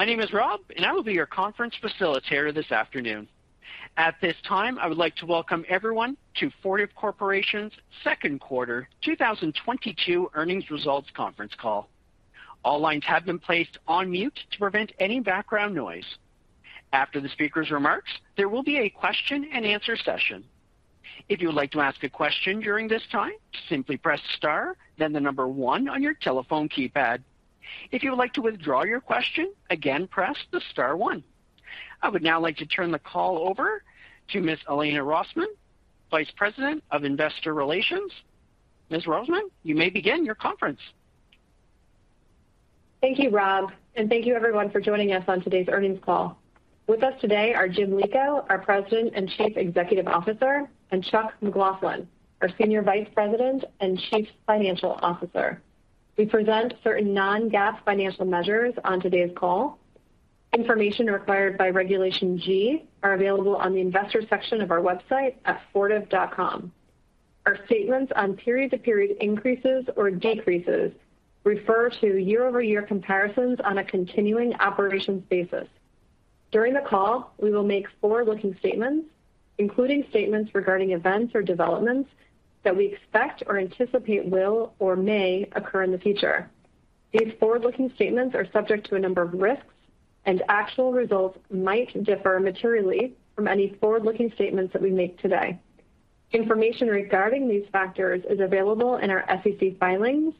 My name is Rob, and I will be your conference facilitator this afternoon. At this time, I would like to welcome everyone to Fortive Corporation's second quarter 2022 earnings results conference call. All lines have been placed on mute to prevent any background noise. After the speaker's remarks, there will be a question-and-answer session. If you would like to ask a question during this time, simply press star, then the number one on your telephone keypad. If you would like to withdraw your question, again press the star one. I would now like to turn the call over to Ms. Elena Rosman, Vice President of Investor Relations. Ms. Rosman, you may begin your conference. Thank you, Rob, and thank you everyone for joining us on today's earnings call. With us today are Jim Lico, our President and Chief Executive Officer, and Chuck McLaughlin, our Senior Vice President and Chief Financial Officer. We present certain non-GAAP financial measures on today's call. Information required by Regulation G are available on the investor section of our website at fortive.com. Our statements on period-to-period increases or decreases refer to year-over-year comparisons on a continuing operations basis. During the call, we will make forward-looking statements, including statements regarding events or developments that we expect or anticipate will or may occur in the future. These forward-looking statements are subject to a number of risks, and actual results might differ materially from any forward-looking statements that we make today. Information regarding these factors is available in our SEC filings,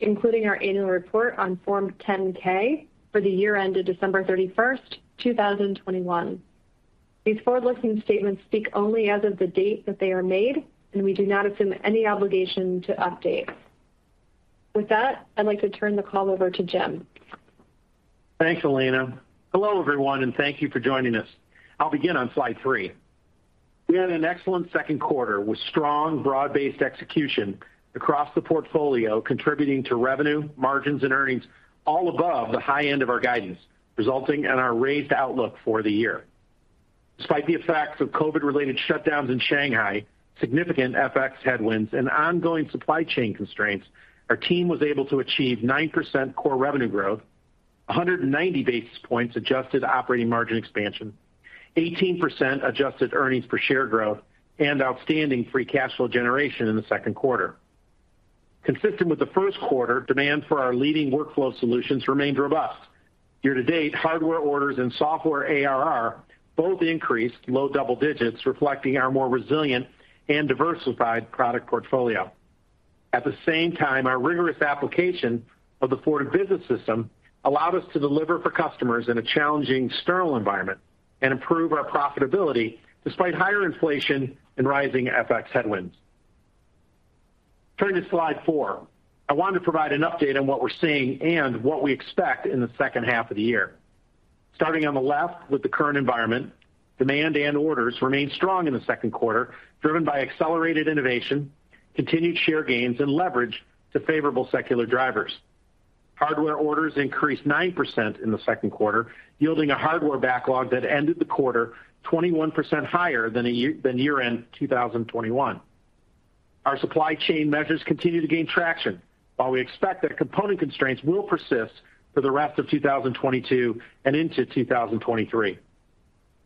including our annual report on Form 10-K for the year ended December 31st, 2021. These forward-looking statements speak only as of the date that they are made, and we do not assume any obligation to update. With that, I'd like to turn the call over to Jim. Thanks, Elena. Hello, everyone, and thank you for joining us. I'll begin on slide three. We had an excellent second quarter with strong broad-based execution across the portfolio, contributing to revenue, margins, and earnings all above the high end of our guidance, resulting in our raised outlook for the year. Despite the effects of COVID-related shutdowns in Shanghai, significant FX headwinds, and ongoing supply chain constraints, our team was able to achieve 9% core revenue growth, 190 basis points adjusted operating margin expansion, 18% adjusted earnings per share growth, and outstanding free cash flow generation in the second quarter. Consistent with the first quarter, demand for our leading workflow solutions remained robust. Year-to-date, hardware orders and software ARR both increased low double digits, reflecting our more resilient and diversified product portfolio. At the same time, our rigorous application of the Fortive Business System allowed us to deliver for customers in a challenging external environment and improve our profitability despite higher inflation and rising FX headwinds. Turning to slide four. I want to provide an update on what we're seeing and what we expect in the second half of the year. Starting on the left with the current environment, demand and orders remained strong in the second quarter, driven by accelerated innovation, continued share gains, and leverage to favorable secular drivers. Hardware orders increased 9% in the second quarter, yielding a hardware backlog that ended the quarter 21% higher than year-end 2021. Our supply chain measures continue to gain traction, while we expect that component constraints will persist for the rest of 2022 and into 2023.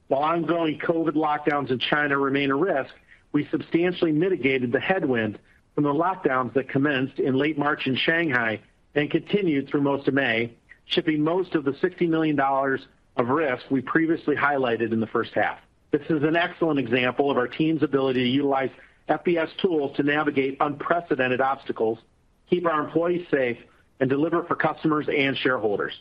While ongoing COVID lockdowns in China remain a risk, we substantially mitigated the headwind from the lockdowns that commenced in late March in Shanghai and continued through most of May, shipping most of the $60 million of risk we previously highlighted in the first half. This is an excellent example of our team's ability to utilize FBS tools to navigate unprecedented obstacles, keep our employees safe, and deliver for customers and shareholders.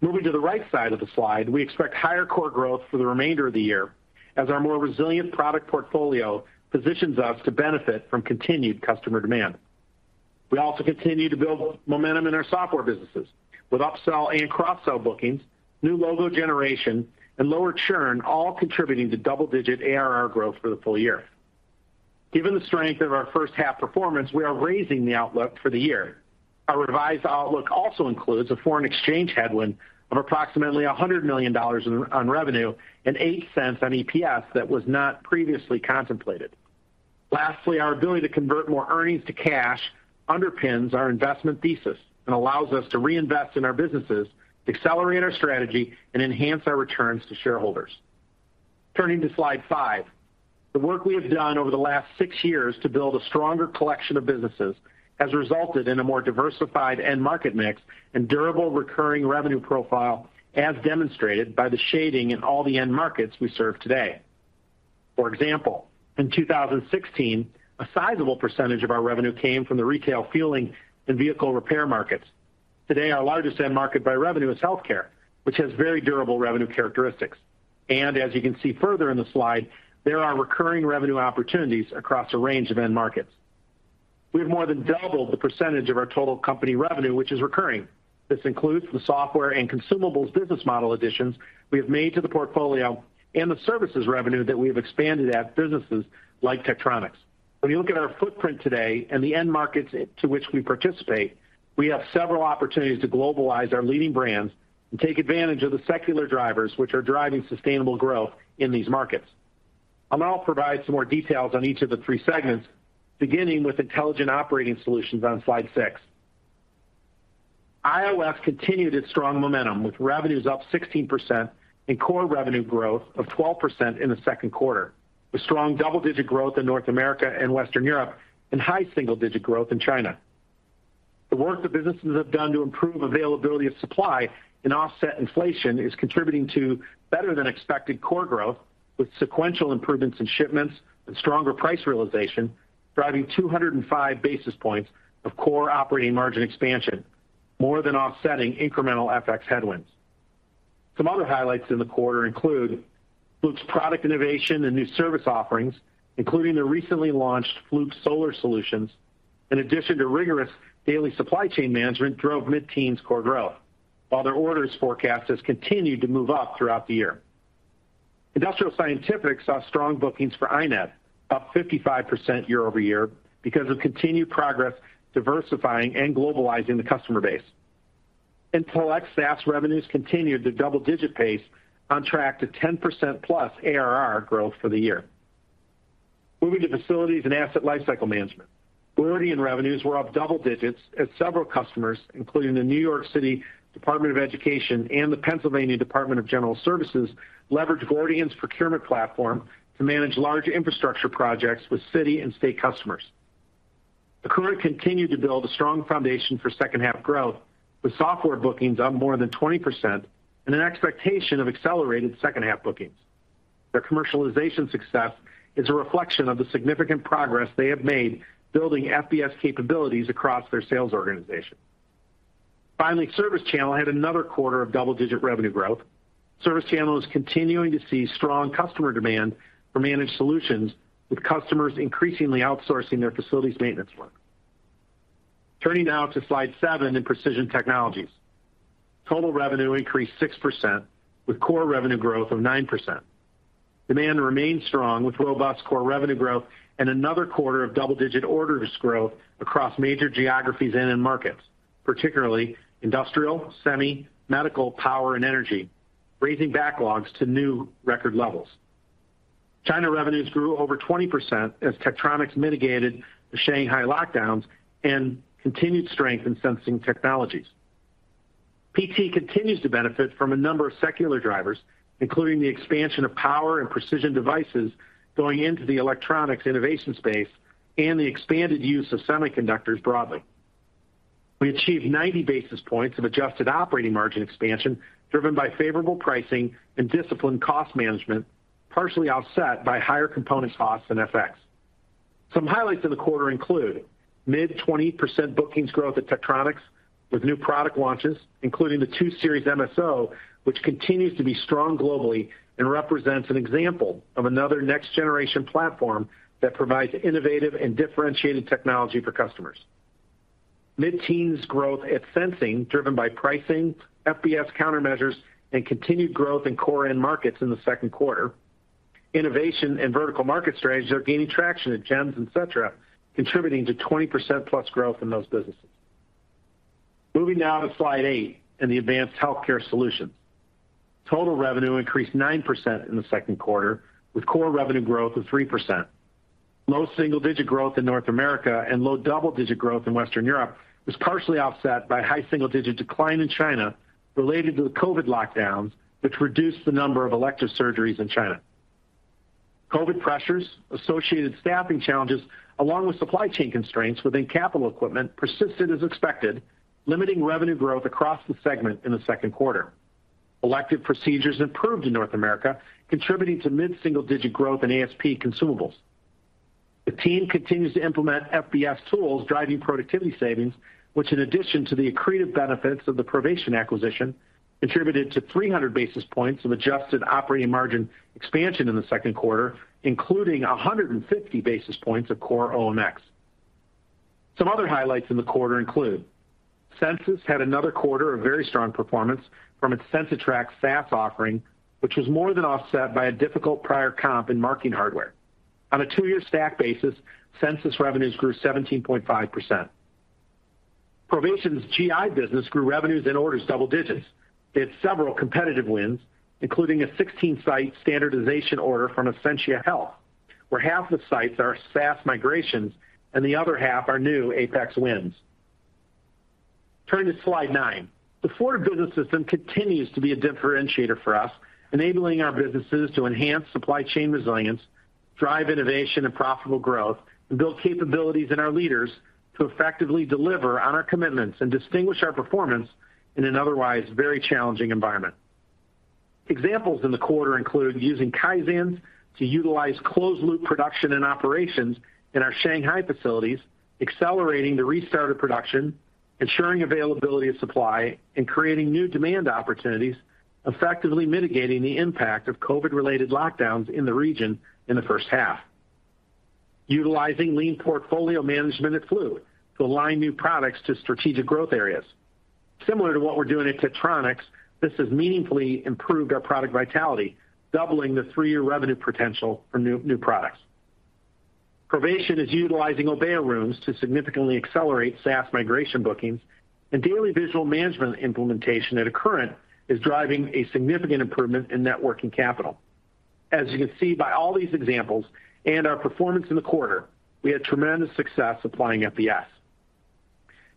Moving to the right side of the slide, we expect higher core growth for the remainder of the year as our more resilient product portfolio positions us to benefit from continued customer demand. We also continue to build momentum in our software businesses with upsell and cross-sell bookings, new logo generation, and lower churn all contributing to double-digit ARR growth for the full year. Given the strength of our first half performance, we are raising the outlook for the year. Our revised outlook also includes a foreign exchange headwind of approximately $100 million on revenue and $0.08 on EPS that was not previously contemplated. Lastly, our ability to convert more earnings to cash underpins our investment thesis and allows us to reinvest in our businesses to accelerate our strategy and enhance our returns to shareholders. Turning to slide five. The work we have done over the last six years to build a stronger collection of businesses has resulted in a more diversified end market mix and durable recurring revenue profile as demonstrated by the shading in all the end markets we serve today. For example, in 2016, a sizable percentage of our revenue came from the retail fueling and vehicle repair markets. Today, our largest end market by revenue is healthcare, which has very durable revenue characteristics. As you can see further in the slide, there are recurring revenue opportunities across a range of end markets. We have more than doubled the percentage of our total company revenue, which is recurring. This includes the software and consumables business model additions we have made to the portfolio and the services revenue that we have expanded at businesses like Tektronix. When you look at our footprint today and the end markets to which we participate, we have several opportunities to globalize our leading brands and take advantage of the secular drivers which are driving sustainable growth in these markets. I'll now provide some more details on each of the three segments, beginning with Intelligent Operating Solutions on slide six. IOS continued its strong momentum with revenues up 16% and core revenue growth of 12% in the second quarter, with strong double-digit growth in North America and Western Europe, and high single-digit growth in China. The work the businesses have done to improve availability of supply and offset inflation is contributing to better than expected core growth with sequential improvements in shipments and stronger price realization, driving 205 basis points of core operating margin expansion, more than offsetting incremental FX headwinds. Some other highlights in the quarter include Fluke's product innovation and new service offerings, including the recently launched Fluke Solar Solutions, in addition to rigorous daily supply chain management drove mid-teens core growth. While their orders forecast has continued to move up throughout the year. Industrial Scientific saw strong bookings for iNet, up 55% year-over-year because of continued progress diversifying and globalizing the customer base. Intelex SaaS revenues continued to double-digit pace on track to 10%+ ARR growth for the year. Moving to Facilities and Asset Lifecycle Management. Gordian revenues were up double digits as several customers, including the New York City Department of Education and the Pennsylvania Department of General Services, leveraged Gordian's procurement platform to manage large infrastructure projects with city and state customers. Accruent continued to build a strong foundation for second half growth, with software bookings up more than 20% and an expectation of accelerated second half bookings. Their commercialization success is a reflection of the significant progress they have made building FBS capabilities across their sales organization. Finally, ServiceChannel had another quarter of double-digit revenue growth. ServiceChannel is continuing to see strong customer demand for managed solutions, with customers increasingly outsourcing their facilities maintenance work. Turning now to slide seven in Precision Technologies. Total revenue increased 6% with core revenue growth of 9%. Demand remained strong with robust core revenue growth and another quarter of double-digit orders growth across major geographies and end markets, particularly industrial, semi, medical, power, and energy, raising backlogs to new record levels. China revenues grew over 20% as Tektronix mitigated the Shanghai lockdowns and continued strength in sensing technologies. PT continues to benefit from a number of secular drivers, including the expansion of power and precision devices going into the electronics innovation space and the expanded use of semiconductors broadly. We achieved 90 basis points of adjusted operating margin expansion driven by favorable pricing and disciplined cost management, partially offset by higher component costs and FX. Some highlights in the quarter include mid-20% bookings growth at Tektronix with new product launches, including the 2 Series MSO, which continues to be strong globally and represents an example of another next-generation platform that provides innovative and differentiated technology for customers. Mid-teens growth at Sensing, driven by pricing, FBS countermeasures, and continued growth in core end markets in the second quarter. Innovation and vertical market strategies are gaining traction at Gems and Setra, contributing to 20%+ growth in those businesses. Moving now to slide eight in the Advanced Healthcare Solutions. Total revenue increased 9% in the second quarter, with core revenue growth of 3%. Low single-digit growth in North America and low double-digit growth in Western Europe was partially offset by high single-digit decline in China related to the COVID lockdowns, which reduced the number of elective surgeries in China. COVID pressures, associated staffing challenges, along with supply chain constraints within capital equipment persisted as expected, limiting revenue growth across the segment in the second quarter. Elective procedures improved in North America, contributing to mid-single-digit growth in ASP consumables. The team continues to implement FBS tools, driving productivity savings, which in addition to the accretive benefits of the Provation acquisition, contributed to 300 basis points of adjusted operating margin expansion in the second quarter, including 150 basis points of core OMX. Some other highlights in the quarter include. Censis had another quarter of very strong performance from its CensiTrac SaaS offering, which was more than offset by a difficult prior comp in marking hardware. On a two-year stack basis, Censis revenues grew 17.5%. Provation's GI business grew revenues and orders double digits. They had several competitive wins, including a 16-site standardization order from Essentia Health, where half the sites are SaaS migrations and the other half are new Apex wins. Turning to slide nine. The Fortive Business System continues to be a differentiator for us, enabling our businesses to enhance supply chain resilience, drive innovation and profitable growth, and build capabilities in our leaders to effectively deliver on our commitments and distinguish our performance in an otherwise very challenging environment. Examples in the quarter include using Kaizens to utilize closed loop production and operations in our Shanghai facilities, accelerating the restart of production, ensuring availability of supply, and creating new demand opportunities, effectively mitigating the impact of COVID-related lockdowns in the region in the first half. Utilizing lean portfolio management at Fluke to align new products to strategic growth areas. Similar to what we're doing at Tektronix, this has meaningfully improved our product vitality, doubling the three-year revenue potential for new products. Provation is utilizing Obeya rooms to significantly accelerate SaaS migration bookings. Daily visual management implementation at Accruent is driving a significant improvement in net working capital. As you can see by all these examples and our performance in the quarter, we had tremendous success applying FBS.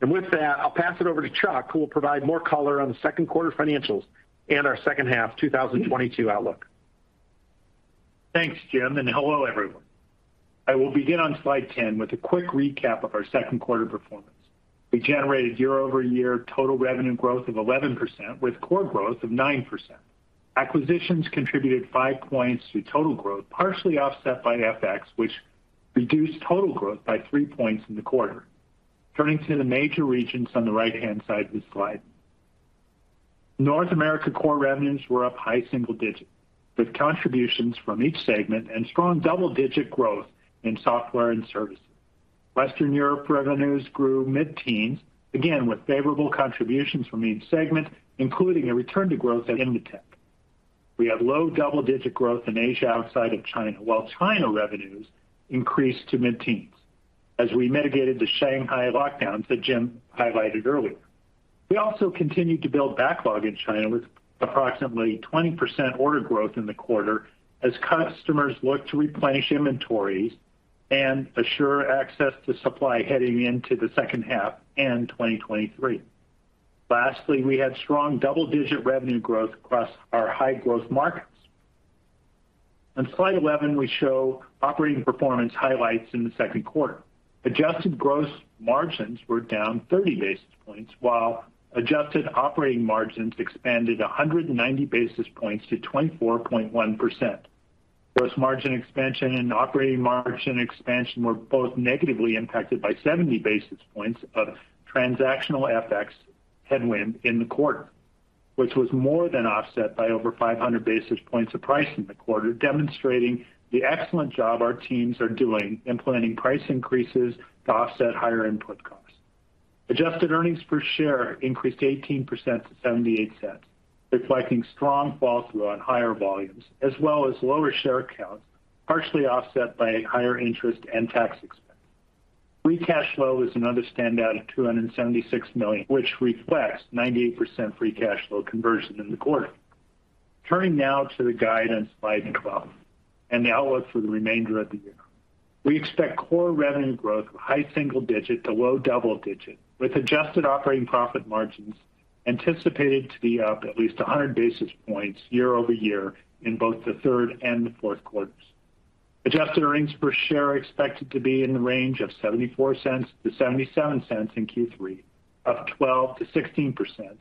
With that, I'll pass it over to Chuck, who will provide more color on the second quarter financials and our second half 2022 outlook. Thanks, Jim, and hello, everyone. I will begin on slide 10 with a quick recap of our second quarter performance. We generated year-over-year total revenue growth of 11% with core growth of 9%. Acquisitions contributed five points to total growth, partially offset by FX, which reduced total growth by three points in the quarter. Turning to the major regions on the right-hand side of the slide. North America core revenues were up high single-digit, with contributions from each segment and strong double-digit growth in software and services. Western Europe revenues grew mid-teens, again with favorable contributions from each segment, including a return to growth at Invetech. We had low double-digit growth in Asia outside of China, while China revenues increased to mid-teens as we mitigated the Shanghai lockdowns that Jim highlighted earlier. We also continued to build backlog in China with approximately 20% order growth in the quarter as customers look to replenish inventories and assure access to supply heading into the second half of 2023. Lastly, we had strong double-digit revenue growth across our high-growth markets. On slide 11, we show operating performance highlights in the second quarter. Adjusted gross margins were down 30 basis points, while adjusted operating margins expanded 190 basis points to 24.1%. Gross margin expansion and operating margin expansion were both negatively impacted by 70 basis points of transactional FX headwind in the quarter, which was more than offset by over 500 basis points of price in the quarter, demonstrating the excellent job our teams are doing implementing price increases to offset higher input costs. Adjusted earnings per share increased 18% to $0.78, reflecting strong flow-through on higher volumes as well as lower share count, partially offset by higher interest and tax expense. Free cash flow is another standout at $276 million, which reflects 98% free cash flow conversion in the quarter. Turning now to the guidance on slide 12 and the outlook for the remainder of the year. We expect core revenue growth of high single-digit to low double-digit, with adjusted operating profit margins anticipated to be up at least 100 basis points year-over-year in both the third and the fourth quarters. Adjusted earnings per share expected to be in the range of $0.74-$0.77 in Q3, up 12%-16%,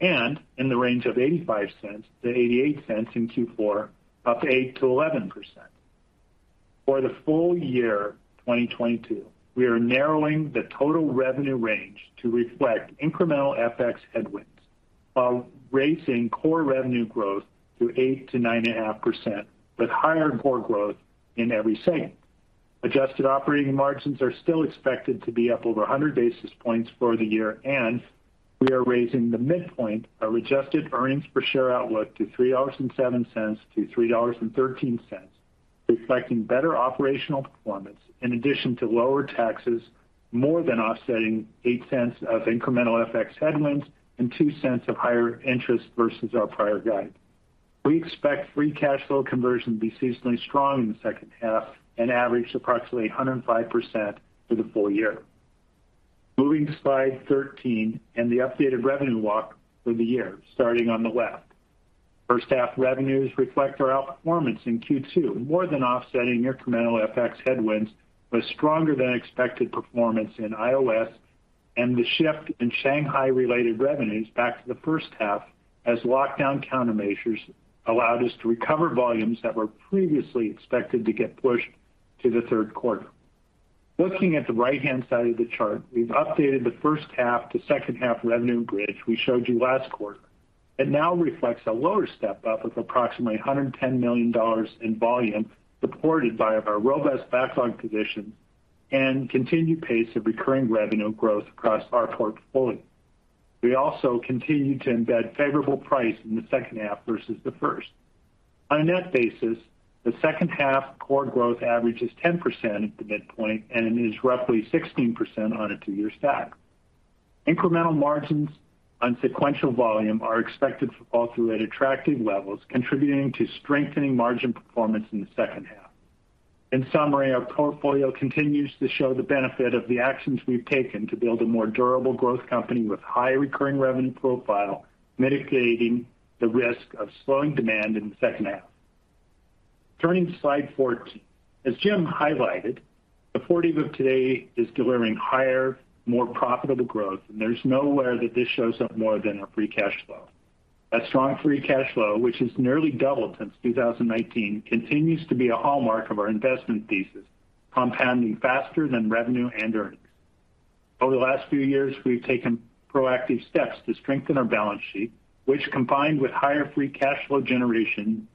and in the range of $0.85-$0.88 in Q4, up 8%-11%. For the full year 2022, we are narrowing the total revenue range to reflect incremental FX headwinds, while raising core revenue growth to 8%-9.5%, with higher core growth in every segment. Adjusted operating margins are still expected to be up over 100 basis points for the year, and we are raising the midpoint of adjusted earnings per share outlook to $3.07-$3.13, reflecting better operational performance in addition to lower taxes, more than offsetting $0.08 of incremental FX headwinds and $0.02 of higher interest versus our prior guide. We expect free cash flow conversion to be seasonally strong in the second half and average approximately 105% for the full year. Moving to slide 13 and the updated revenue walk for the year, starting on the left. First half revenues reflect our outperformance in Q2, more than offsetting incremental FX headwinds with stronger than expected performance in iOS and the shift in Shanghai-related revenues back to the first half as lockdown countermeasures allowed us to recover volumes that were previously expected to get pushed to the third quarter. Looking at the right-hand side of the chart, we've updated the first half to second half revenue bridge we showed you last quarter. It now reflects a lower step-up of approximately $110 million in volume, supported by our robust backlog position and continued pace of recurring revenue growth across our portfolio. We also continue to embed favorable price in the second half versus the first. On a net basis, the second half core growth average is 10% at the midpoint and is roughly 16% on a two-year stack. Incremental margins on sequential volume are expected to fall through at attractive levels, contributing to strengthening margin performance in the second half. In summary, our portfolio continues to show the benefit of the actions we've taken to build a more durable growth company with high recurring revenue profile, mitigating the risk of slowing demand in the second half. Turning to slide 14. As Jim highlighted, the Fortive of today is delivering higher, more profitable growth, and there's nowhere that this shows up more than our free cash flow. That strong free cash flow, which has nearly doubled since 2019, continues to be a hallmark of our investment thesis, compounding faster than revenue and earnings. Over the last few years, we've taken proactive steps to strengthen our balance sheet, which combined with higher free cash flow generation,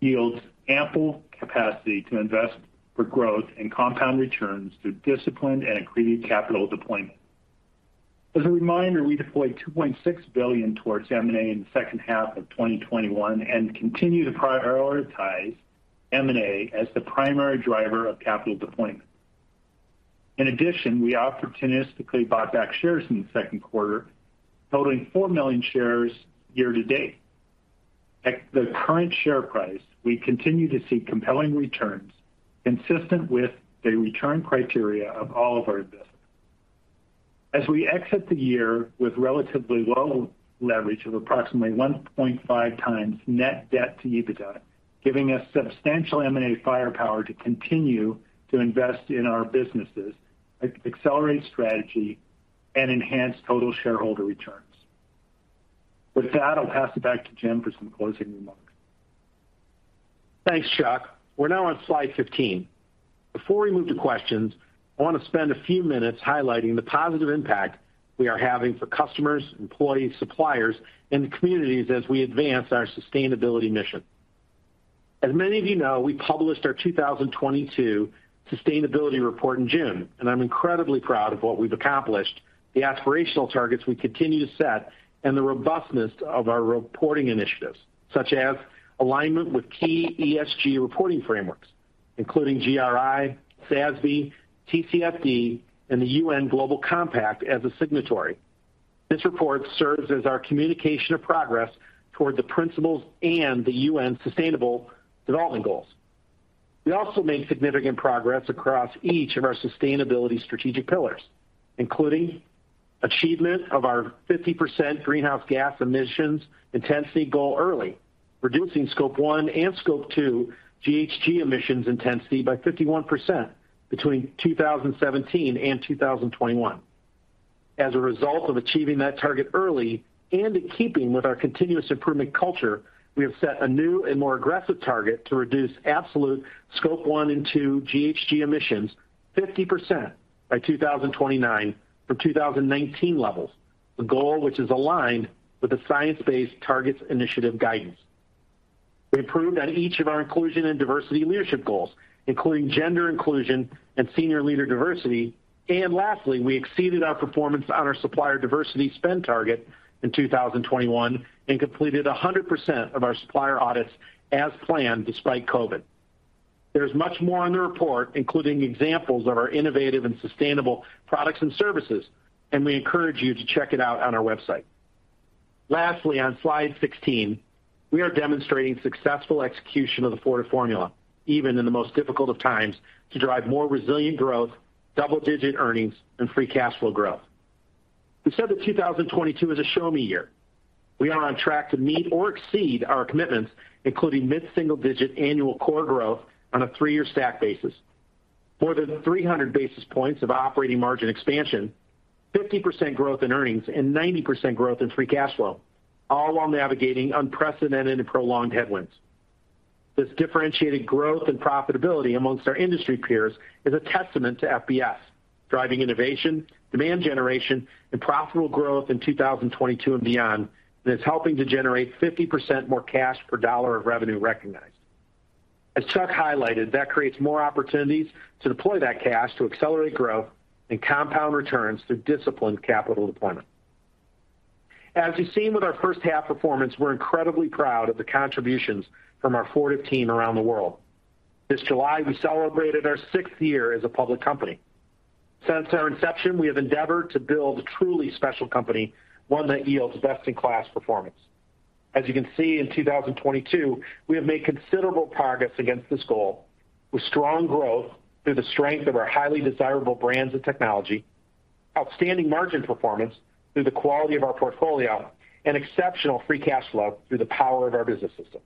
yields ample capacity to invest for growth and compound returns through disciplined and accretive capital deployment. As a reminder, we deployed $2.6 billion towards M&A in the second half of 2021 and continue to prioritize M&A as the primary driver of capital deployment. In addition, we opportunistically bought back shares in the second quarter, totaling 4 million shares year to date. At the current share price, we continue to see compelling returns consistent with the return criteria of all of our investments. As we exit the year with relatively low leverage of approximately 1.5x net debt to EBITDA, giving us substantial M&A firepower to continue to invest in our businesses, accelerate strategy, and enhance total shareholder returns. With that, I'll pass it back to Jim for some closing remarks. Thanks, Chuck. We're now on slide 15. Before we move to questions, I want to spend a few minutes highlighting the positive impact we are having for customers, employees, suppliers, and the communities as we advance our sustainability mission. As many of you know, we published our 2022 sustainability report in June, and I'm incredibly proud of what we've accomplished, the aspirational targets we continue to set, and the robustness of our reporting initiatives, such as alignment with key ESG reporting frameworks, including GRI, SASB, TCFD, and the UN Global Compact as a signatory. This report serves as our communication of progress toward the principles and the UN Sustainable Development Goals. We also made significant progress across each of our sustainability strategic pillars, including achievement of our 50% greenhouse gas emissions intensity goal early, reducing scope one and scope two GHG emissions intensity by 51% between 2017 and 2021. As a result of achieving that target early and in keeping with our continuous improvement culture, we have set a new and more aggressive target to reduce absolute scope one and two GHG emissions 50% by 2029 from 2019 levels, a goal which is aligned with the Science Based Targets initiative guidance. We improved on each of our inclusion and diversity leadership goals, including gender inclusion and senior leader diversity. Lastly, we exceeded our performance on our supplier diversity spend target in 2021 and completed 100% of our supplier audits as planned despite COVID. There is much more on the report, including examples of our innovative and sustainable products and services, and we encourage you to check it out on our website. Lastly, on slide 16, we are demonstrating successful execution of the Fortive Formula even in the most difficult of times to drive more resilient growth, double-digit earnings, and free cash flow growth. We said that 2022 is a show me year. We are on track to meet or exceed our commitments, including mid-single-digit annual core growth on a three-year stack basis. More than 300 basis points of operating margin expansion, 50% growth in earnings, and 90% growth in free cash flow, all while navigating unprecedented and prolonged headwinds. This differentiated growth and profitability among our industry peers is a testament to FBS, driving innovation, demand generation, and profitable growth in 2022 and beyond, and it's helping to generate 50% more cash per dollar of revenue recognized. As Chuck highlighted, that creates more opportunities to deploy that cash to accelerate growth and compound returns through disciplined capital deployment. As you've seen with our first half performance, we're incredibly proud of the contributions from our Fortive team around the world. This July, we celebrated our sixth year as a public company. Since our inception, we have endeavored to build a truly special company, one that yields best-in-class performance. As you can see, in 2022, we have made considerable progress against this goal with strong growth through the strength of our highly desirable brands and technology, outstanding margin performance through the quality of our portfolio, and exceptional free cash flow through the power of our business system.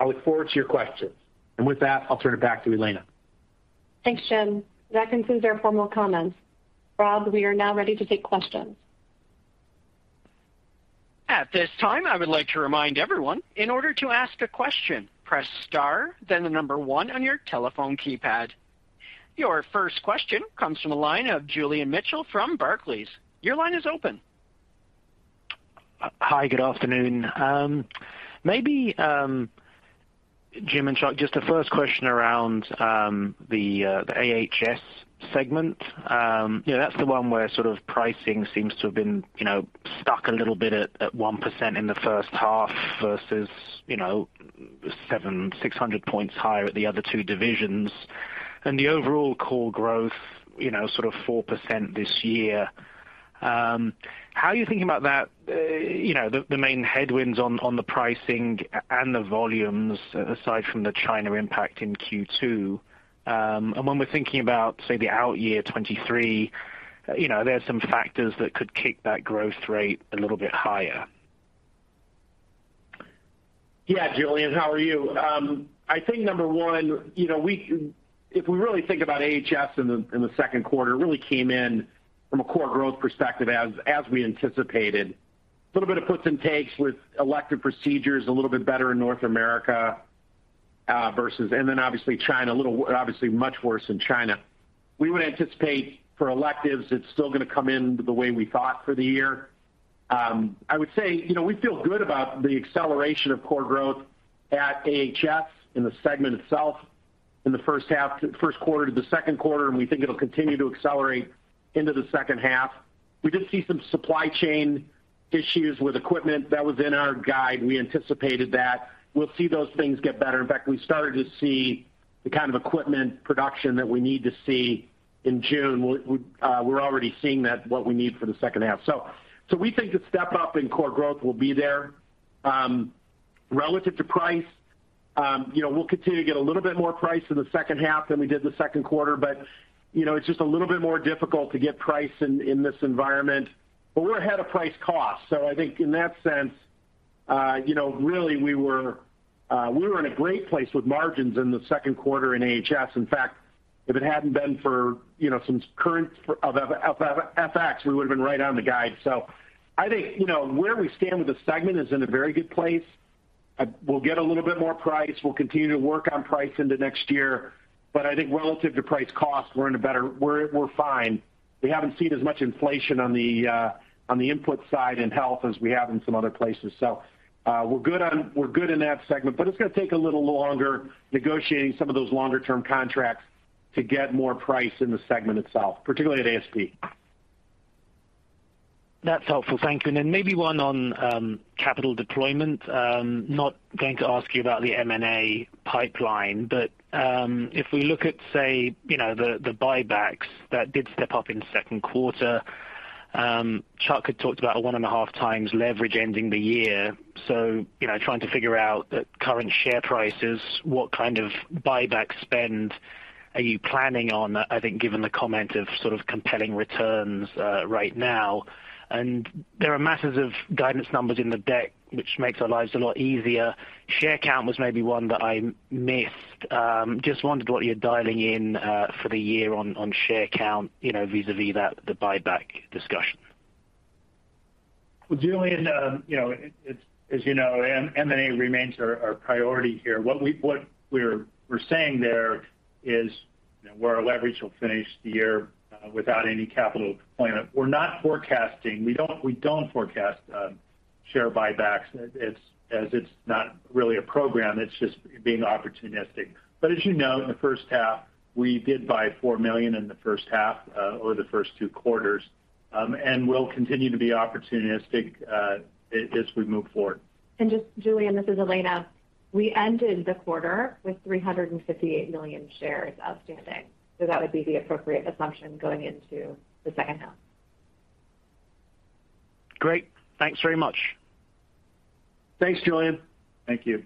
I look forward to your questions. With that, I'll turn it back to Elena Rosman. Thanks, Jim. That concludes our formal comments. Rob, we are now ready to take questions. At this time, I would like to remind everyone in order to ask a question, press star then the number one on your telephone keypad. Your first question comes from the line of Julian Mitchell from Barclays. Your line is open. Hi, good afternoon. Maybe Jim and Chuck, just the first question around the AHS segment. You know, that's the one where sort of pricing seems to have been, you know, stuck a little bit at 1% in the first half versus, you know, 760 points higher at the other two divisions. The overall core growth, you know, sort of 4% this year. How are you thinking about that, you know, the main headwinds on the pricing and the volumes aside from the China impact in Q2? When we're thinking about, say, the out year 2023, you know, there are some factors that could keep that growth rate a little bit higher. Yeah, Julian, how are you? I think number one, you know, we if we really think about AHS in the second quarter, it really came in from a core growth perspective as we anticipated. A little bit of puts and takes with elective procedures, a little bit better in North America versus. Then obviously China a little obviously much worse in China. We would anticipate for electives, it's still gonna come in the way we thought for the year. I would say, you know, we feel good about the acceleration of core growth at AHS in the segment itself in the first quarter to the second quarter, and we think it'll continue to accelerate into the second half. We did see some supply chain issues with equipment that was in our guide. We anticipated that. We'll see those things get better. In fact, we started to see the kind of equipment production that we need to see in June. We're already seeing that, what we need for the second half. We think the step up in core growth will be there. Relative to price, you know, we'll continue to get a little bit more price in the second half than we did in the second quarter. You know, it's just a little bit more difficult to get price in this environment. We're ahead of price cost. I think in that sense, you know, really, we were in a great place with margins in the second quarter in AHS. In fact, if it hadn't been for, you know, some currency of FX, we would have been right on the guide. I think, you know, where we stand with the segment is in a very good place. We'll get a little bit more price. We'll continue to work on price into next year. But I think relative to price cost, we're fine. We haven't seen as much inflation on the input side in health as we have in some other places. We're good in that segment, but it's gonna take a little longer negotiating some of those longer term contracts to get more price in the segment itself, particularly at ASP. That's helpful. Thank you. Maybe one on capital deployment. Not going to ask you about the M&A pipeline, but if we look at, say, you know, the buybacks that did step up in the second quarter. Chuck had talked about a 1.5x leverage ending the year. Trying to figure out at current share prices, what kind of buyback spend are you planning on, I think given the comment of sort of compelling returns right now, and there are matters of guidance numbers in the deck which makes our lives a lot easier. Share count was maybe one that I missed. Just wondered what you're dialing in for the year on share count, you know, vis-a-vis that, the buyback discussion. Well, Julian, you know, as you know, M&A remains our priority here. What we're saying there is where our leverage will finish the year without any capital deployment. We're not forecasting. We don't forecast share buybacks as it's not really a program. It's just being opportunistic. As you know, in the first half, we did buy 4 million in the first half or the first two quarters, and we'll continue to be opportunistic as we move forward. Just Julian, this is Elena. We ended the quarter with 358 million shares outstanding. That would be the appropriate assumption going into the second half. Great. Thanks very much. Thanks, Julian. Thank you.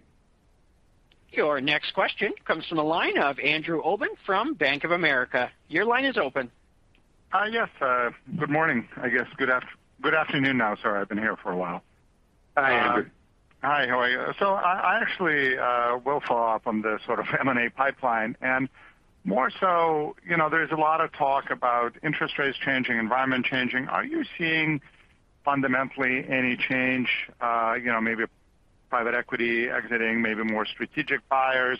Your next question comes from the line of Andrew Obin from Bank of America. Your line is open. Yes, good morning, I guess. Good afternoon now. Sorry, I've been here for a while. Hi, Andrew. Hi, how are you? I actually will follow up on the sort of M&A pipeline and more so, you know, there's a lot of talk about interest rates changing, environment changing. Are you seeing fundamentally any change, you know, maybe private equity exiting, maybe more strategic buyers,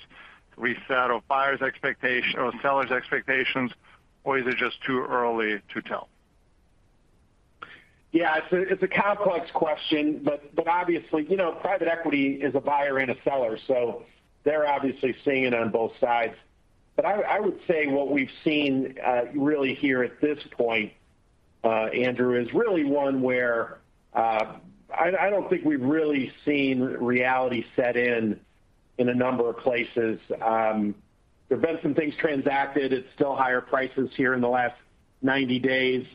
reset of buyers' or sellers' expectations, or is it just too early to tell? Yeah, it's a complex question, but obviously, you know, private equity is a buyer and a seller, so they're obviously seeing it on both sides. I would say what we've seen really here at this point, Andrew, is really one where I don't think we've really seen reality set in in a number of places. There have been some things transacted at still higher prices here in the last 90 days.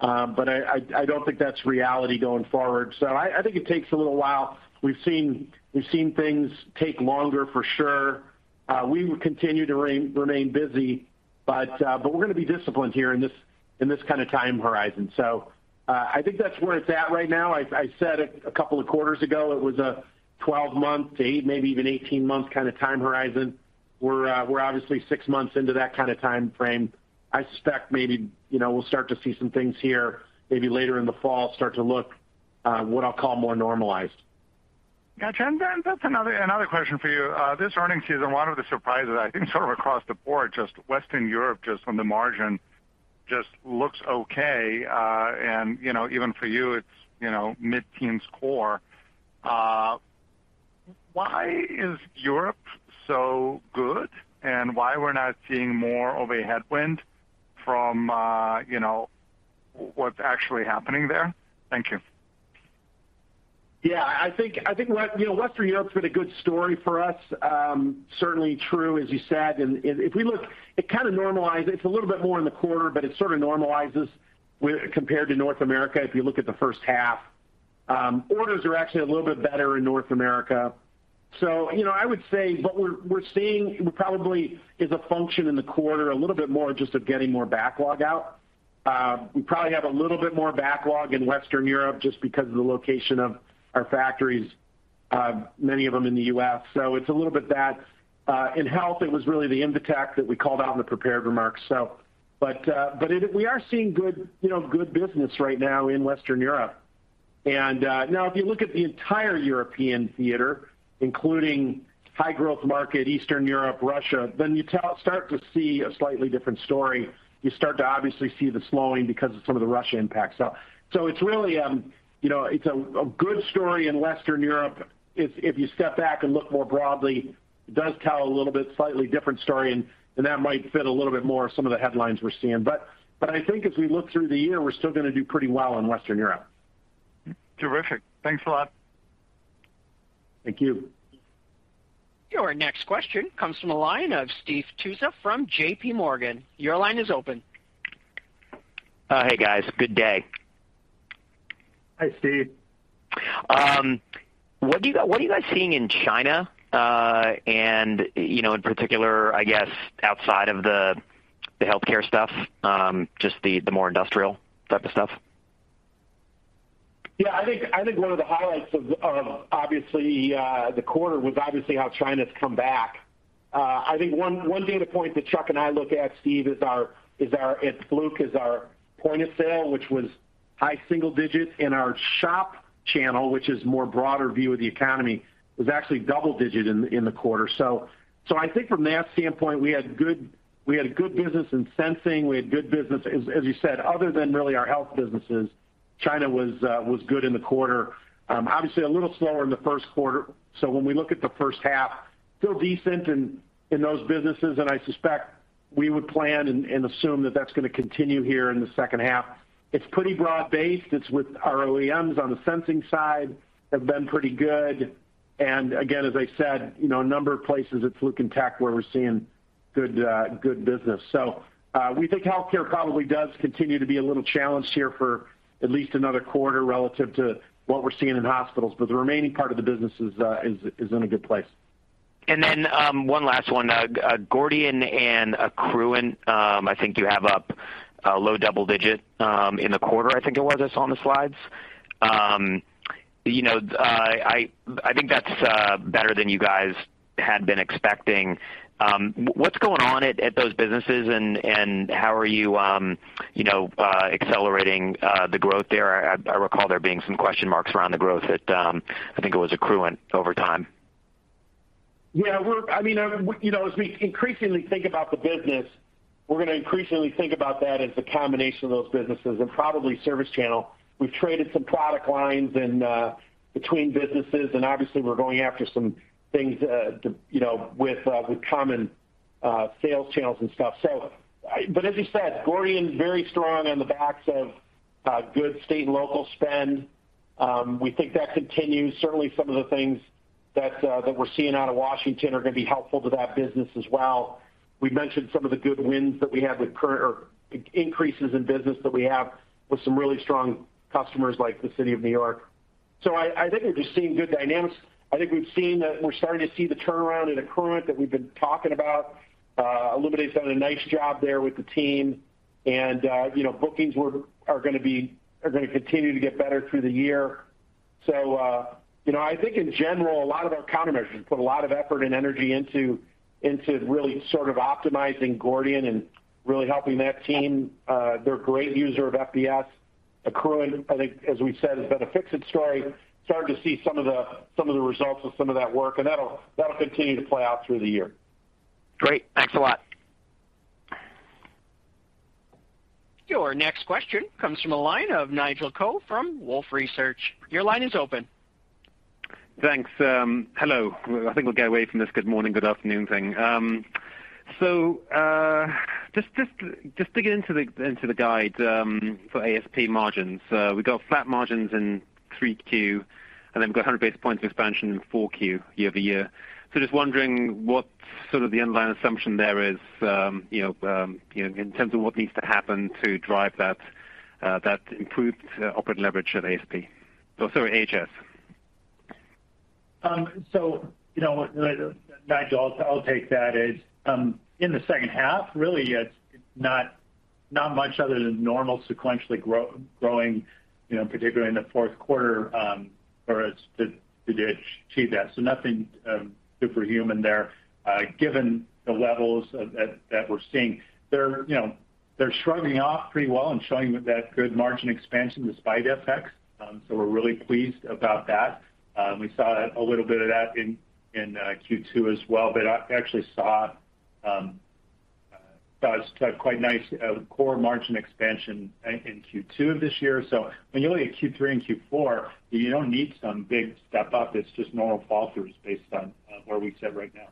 I don't think that's reality going forward. I think it takes a little while. We've seen things take longer for sure. We will continue to remain busy, but we're gonna be disciplined here in this kind of time horizon. I think that's where it's at right now. I said it a couple of quarters ago, it was a 12-18-month kind of time horizon. We're obviously six months into that kind of time frame. I suspect maybe, you know, we'll start to see some things here, maybe later in the fall, start to look what I'll call more normalized. Yeah. That's another question for you. This earnings season, one of the surprises I think sort of across the board, just Western Europe, just on the margin just looks okay. You know, even for you it's, you know, mid-teens core. Why is Europe so good and why we're not seeing more of a headwind from, you know, what's actually happening there? Thank you. Yeah, I think, you know, Western Europe's been a good story for us. Certainly true, as you said. If we look, it kind of normalizes. It's a little bit more in the quarter, but it sort of normalizes compared to North America if you look at the first half. Orders are actually a little bit better in North America. You know, I would say what we're seeing probably is a function in the quarter a little bit more just of getting more backlog out. We probably have a little bit more backlog in Western Europe just because of the location of our factories, many of them in the U.S. It's a little bit that. In health, it was really the Invetech that we called out in the prepared remarks. We are seeing good business right now in Western Europe. If you look at the entire European theater, including high growth market, Eastern Europe, Russia, then you start to see a slightly different story. You start to obviously see the slowing because of some of the Russia impacts. It's really a good story in Western Europe. If you step back and look more broadly, it does tell a little bit slightly different story, and that might fit a little bit more some of the headlines we're seeing. I think as we look through the year, we're still gonna do pretty well in Western Europe. Terrific. Thanks a lot. Thank you. Your next question comes from the line of Steve Tusa from J.P. Morgan. Your line is open. Hey, guys. Good day. Hi, Steve. What are you guys seeing in China, and, you know, in particular, I guess, outside of the healthcare stuff, just the more industrial type of stuff? Yeah, I think one of the highlights of obviously the quarter was obviously how China's come back. I think one data point that Chuck and I look at, Steve, at Fluke is our point of sale, which was high single digits in our shop channel, which is a broader view of the economy, was actually double-digit in the quarter. I think from that standpoint, we had a good business in Sensing. We had good business, as you said, other than really our health businesses, China was good in the quarter. Obviously a little slower in the first quarter. When we look at the first half, still decent in those businesses, and I suspect we would plan and assume that that's gonna continue here in the second half. It's pretty broad-based. It's with our OEMs on the sensing side have been pretty good. Again, as I said, you know, a number of places at Fluke and Tek where we're seeing good business. We think healthcare probably does continue to be a little challenged here for at least another quarter relative to what we're seeing in hospitals, but the remaining part of the business is in a good place. One last one. Gordian and Accruent, I think you have up low double-digit % in the quarter, I think it was. I saw on the slides. You know, I think that's better than you guys had been expecting. What's going on at those businesses? And how are you you know accelerating the growth there? I recall there being some question marks around the growth at I think it was Accruent over time. Yeah. I mean, you know, as we increasingly think about the business, we're gonna increasingly think about that as a combination of those businesses and probably ServiceChannel. We've traded some product lines and between businesses, and obviously we're going after some things, you know, with common sales channels and stuff. But as you said, Gordian's very strong on the backs of good state and local spend. We think that continues. Certainly, some of the things that we're seeing out of Washington are gonna be helpful to that business as well. We mentioned some of the good wins that we have with contract or increases in business that we have with some really strong customers like the City of New York. I think we're just seeing good dynamics. I think we've seen that we're starting to see the turnaround in Accruent that we've been talking about. Olumide's done a nice job there with the team. You know, bookings are gonna continue to get better through the year. You know, I think in general, a lot of our countermeasures put a lot of effort and energy into really sort of optimizing Gordian and really helping that team. They're a great user of FBS. Accruent, I think, as we've said, has been a fix-it story, starting to see some of the results of some of that work, and that'll continue to play out through the year. Great. Thanks a lot. Your next question comes from the line of Nigel Coe from Wolfe Research. Your line is open. Thanks. Hello. I think we'll get away from this good morning, good afternoon thing. Just to get into the guide for ASP margins. We've got flat margins in 3Q, and then we've got 100 basis points of expansion in 4Q year-over-year. Just wondering what sort of the underlying assumption there is, you know, you know, in terms of what needs to happen to drive that improved operating leverage at ASP. Oh, sorry, AHS. You know, Nigel, I'll take that. In the second half, really, it's not much other than normal sequentially growing, you know, particularly in the fourth quarter, for us to achieve that. Nothing superhuman there. Given the levels of that we're seeing, they're, you know, they're shrugging off pretty well and showing that good margin expansion despite FX. We're really pleased about that. We saw a little bit of that in Q2 as well. I actually saw quite nice core margin expansion in Q2 of this year. When you look at Q3 and Q4, you don't need some big step-up. It's just normal fall throughs based on where we sit right now.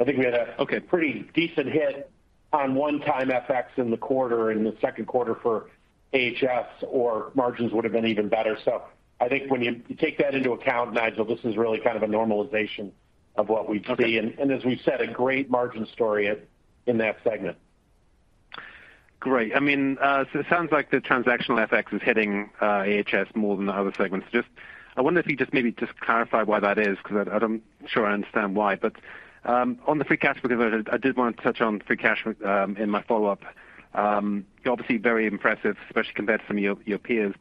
Okay. Pretty decent hit on one-time FX in the quarter, in the second quarter for AHS, or margins would have been even better. I think when you take that into account, Nigel, this is really kind of a normalization of what we see. Okay. As we said, a great margin story in that segment. Great. I mean, so it sounds like the transactional FX is hitting AHS more than the other segments. I wonder if you maybe clarify why that is because I'm not sure I understand why. On the free cash flow conversion, I did want to touch on free cash in my follow-up. You're obviously very impressive, especially compared to some of your peers.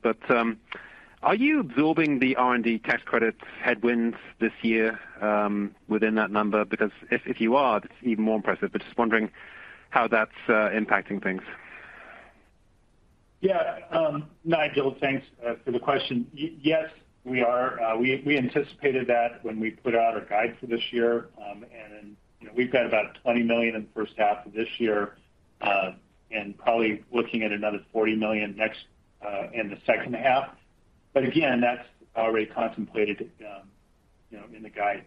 Are you absorbing the R&D tax credit headwinds this year within that number? Because if you are, that's even more impressive. Just wondering. How that's impacting things. Yeah. Nigel, thanks for the question. Yes, we are. We anticipated that when we put out our guide for this year. You know, we've got about $20 million in the first half of this year, and probably looking at another $40 million next in the second half. But again, that's already contemplated. You know, in the guide.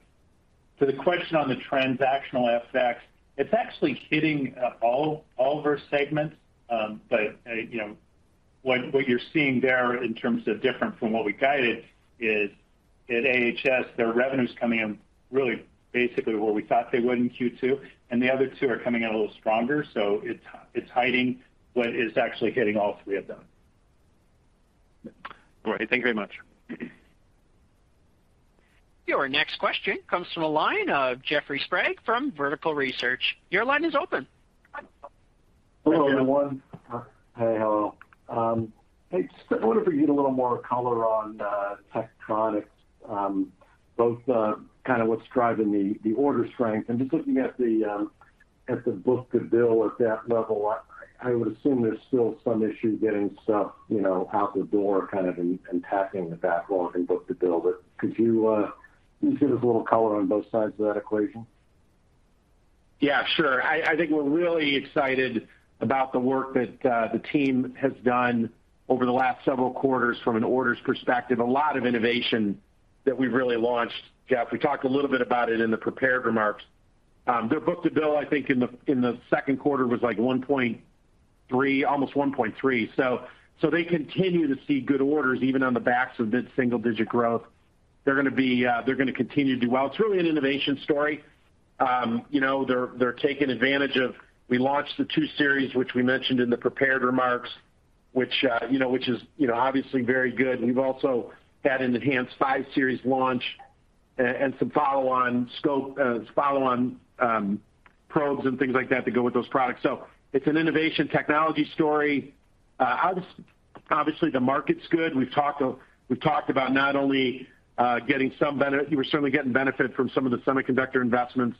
To the question on the transactional FX, it's actually hitting all of our segments. You know, what you're seeing there in terms of different from what we guided is at AHS, their revenue's coming in really basically where we thought they would in Q2, and the other two are coming in a little stronger. So it's hiding what is actually hitting all three of them. All right. Thank you very much. Your next question comes from the line of Jeffrey Sprague from Vertical Research. Your line is open. Hello, everyone. Hey. Hey. Hello. Hey, just wondering if we can get a little more color on Tektronix, both kind of what's driving the order strength and just looking at the book-to-bill at that level. I would assume there's still some issue getting stuff, you know, out the door kind of, and tapping the backlog and book-to-bill. Can you give us a little color on both sides of that equation? Yeah, sure. I think we're really excited about the work that the team has done over the last several quarters from an orders perspective. A lot of innovation that we've really launched, Jeff. We talked a little bit about it in the prepared remarks. Their book-to-bill, I think in the second quarter was like 1.3, almost 1.3. They continue to see good orders even on the backs of mid-single digit growth. They're gonna continue to do well. It's really an innovation story. You know, they're taking advantage of. We launched the 2 Series, which we mentioned in the prepared remarks, which you know is obviously very good. We've also had an enhanced 5 Series launch and some follow-on scopes, probes and things like that to go with those products. So it's an innovation technology story. Obviously, the market's good. We've talked about not only getting some benefit from some of the semiconductor investments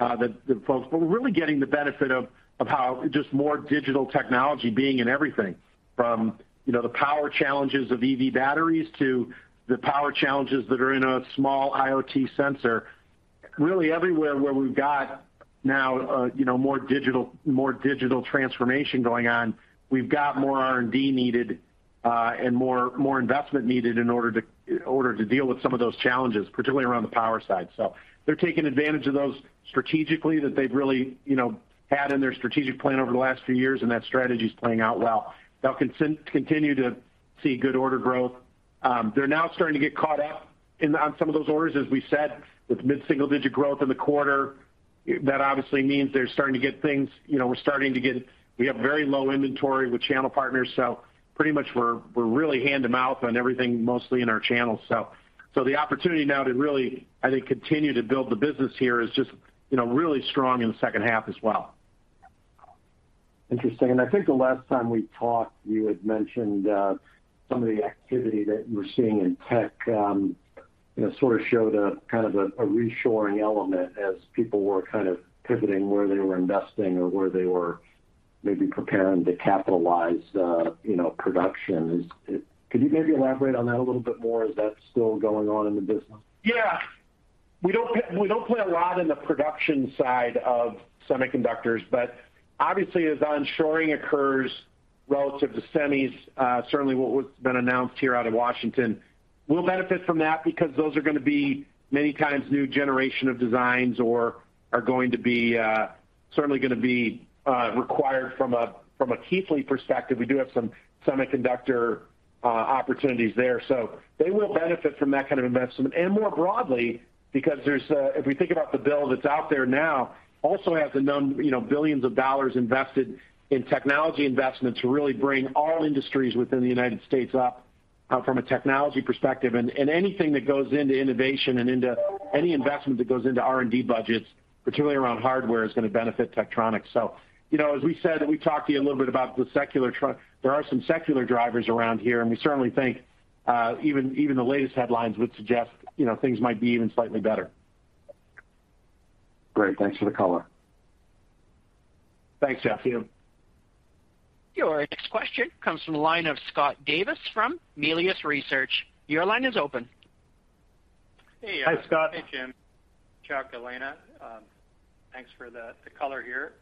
that folks, but we're really getting the benefit of how just more digital technology being in everything from, you know, the power challenges of EV batteries to the power challenges that are in a small IoT sensor. Really everywhere where we've got now, you know, more digital transformation going on, we've got more R&D needed and more investment needed in order to deal with some of those challenges, particularly around the power side. They're taking advantage of those strategically that they've really, you know, had in their strategic plan over the last few years, and that strategy is playing out well. They'll continue to see good order growth. They're now starting to get caught up in on some of those orders. As we said, with mid-single digit growth in the quarter, that obviously means they're starting to get things. You know, we have very low inventory with channel partners, so pretty much we're really hand-to-mouth on everything, mostly in our channels. The opportunity now to really, I think, continue to build the business here is just, you know, really strong in the second half as well. Interesting. I think the last time we talked, you had mentioned some of the activity that you were seeing in tech, you know, sort of showed a kind of reshoring element as people were kind of pivoting where they were investing or where they were maybe preparing to capitalize, you know, production. Could you maybe elaborate on that a little bit more? Is that still going on in the business? Yeah. We don't play a lot in the production side of semiconductors, but obviously, as onshoring occurs relative to semis, certainly what's been announced here out of Washington, we'll benefit from that because those are gonna be many times new generation of designs or are going to be certainly gonna be required from a Keithley perspective. We do have some semiconductor opportunities there. So they will benefit from that kind of investment. More broadly, because there's if we think about the bill that's out there now, also has a you know, billions of dollars invested in technology investment to really bring all industries within the United States up from a technology perspective. Anything that goes into innovation and into any investment that goes into R&D budgets, particularly around hardware, is gonna benefit Tektronix. you know, as we said, we talked to you a little bit about the secular. There are some secular drivers around here, and we certainly think, even the latest headlines would suggest, you know, things might be even slightly better. Great. Thanks for the color. Thanks, Jeff. Your next question comes from the line of Scott Davis from Melius Research. Your line is open. Hey. Hi, Scott. Hey, Jim. Chuck, Elena, thanks for the color here.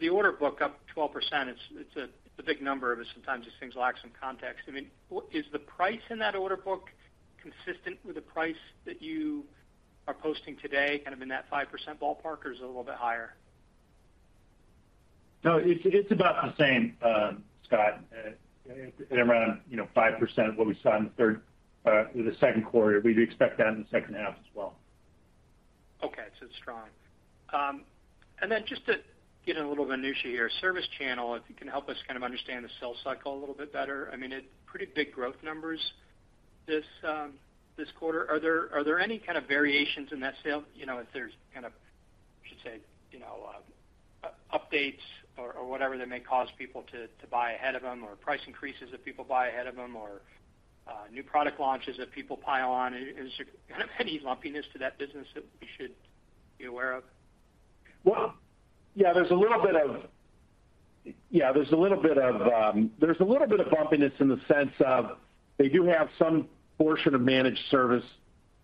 The order book up 12%, it's a big number, but sometimes these things lack some context. I mean, is the price in that order book consistent with the price that you are posting today, kind of in that 5% ballpark, or is it a little bit higher? No, it's about the same, Scott. At around, you know, 5% of what we saw in the third or the second quarter. We'd expect that in the second half as well. Okay. It's strong. Just to get in a little minutia here, ServiceChannel, if you can help us kind of understand the sales cycle a little bit better. I mean, it's pretty big growth numbers this quarter. Are there any kind of variations in that sales? You know, if there's kind of, I should say, you know, updates or whatever that may cause people to buy ahead of them, or price increases if people buy ahead of them, or new product launches that people pile on. Is there kind of any lumpiness to that business that we should be aware of? Yeah, there's a little bit of bumpiness in the sense of they do have some portion of managed service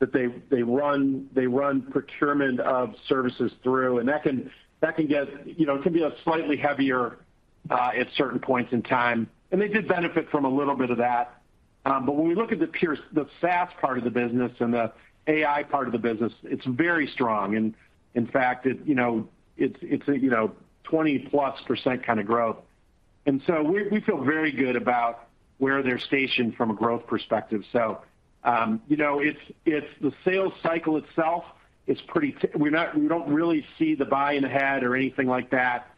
that they run procurement of services through, and that can get, you know, it can be a slightly heavier at certain points in time. They did benefit from a little bit of that. But when we look at the SaaS part of the business and the AI part of the business, it's very strong. In fact, you know, it's a 20%+ kinda growth. We feel very good about where they're stationed from a growth perspective. You know, we don't really see the buy-in ahead or anything like that.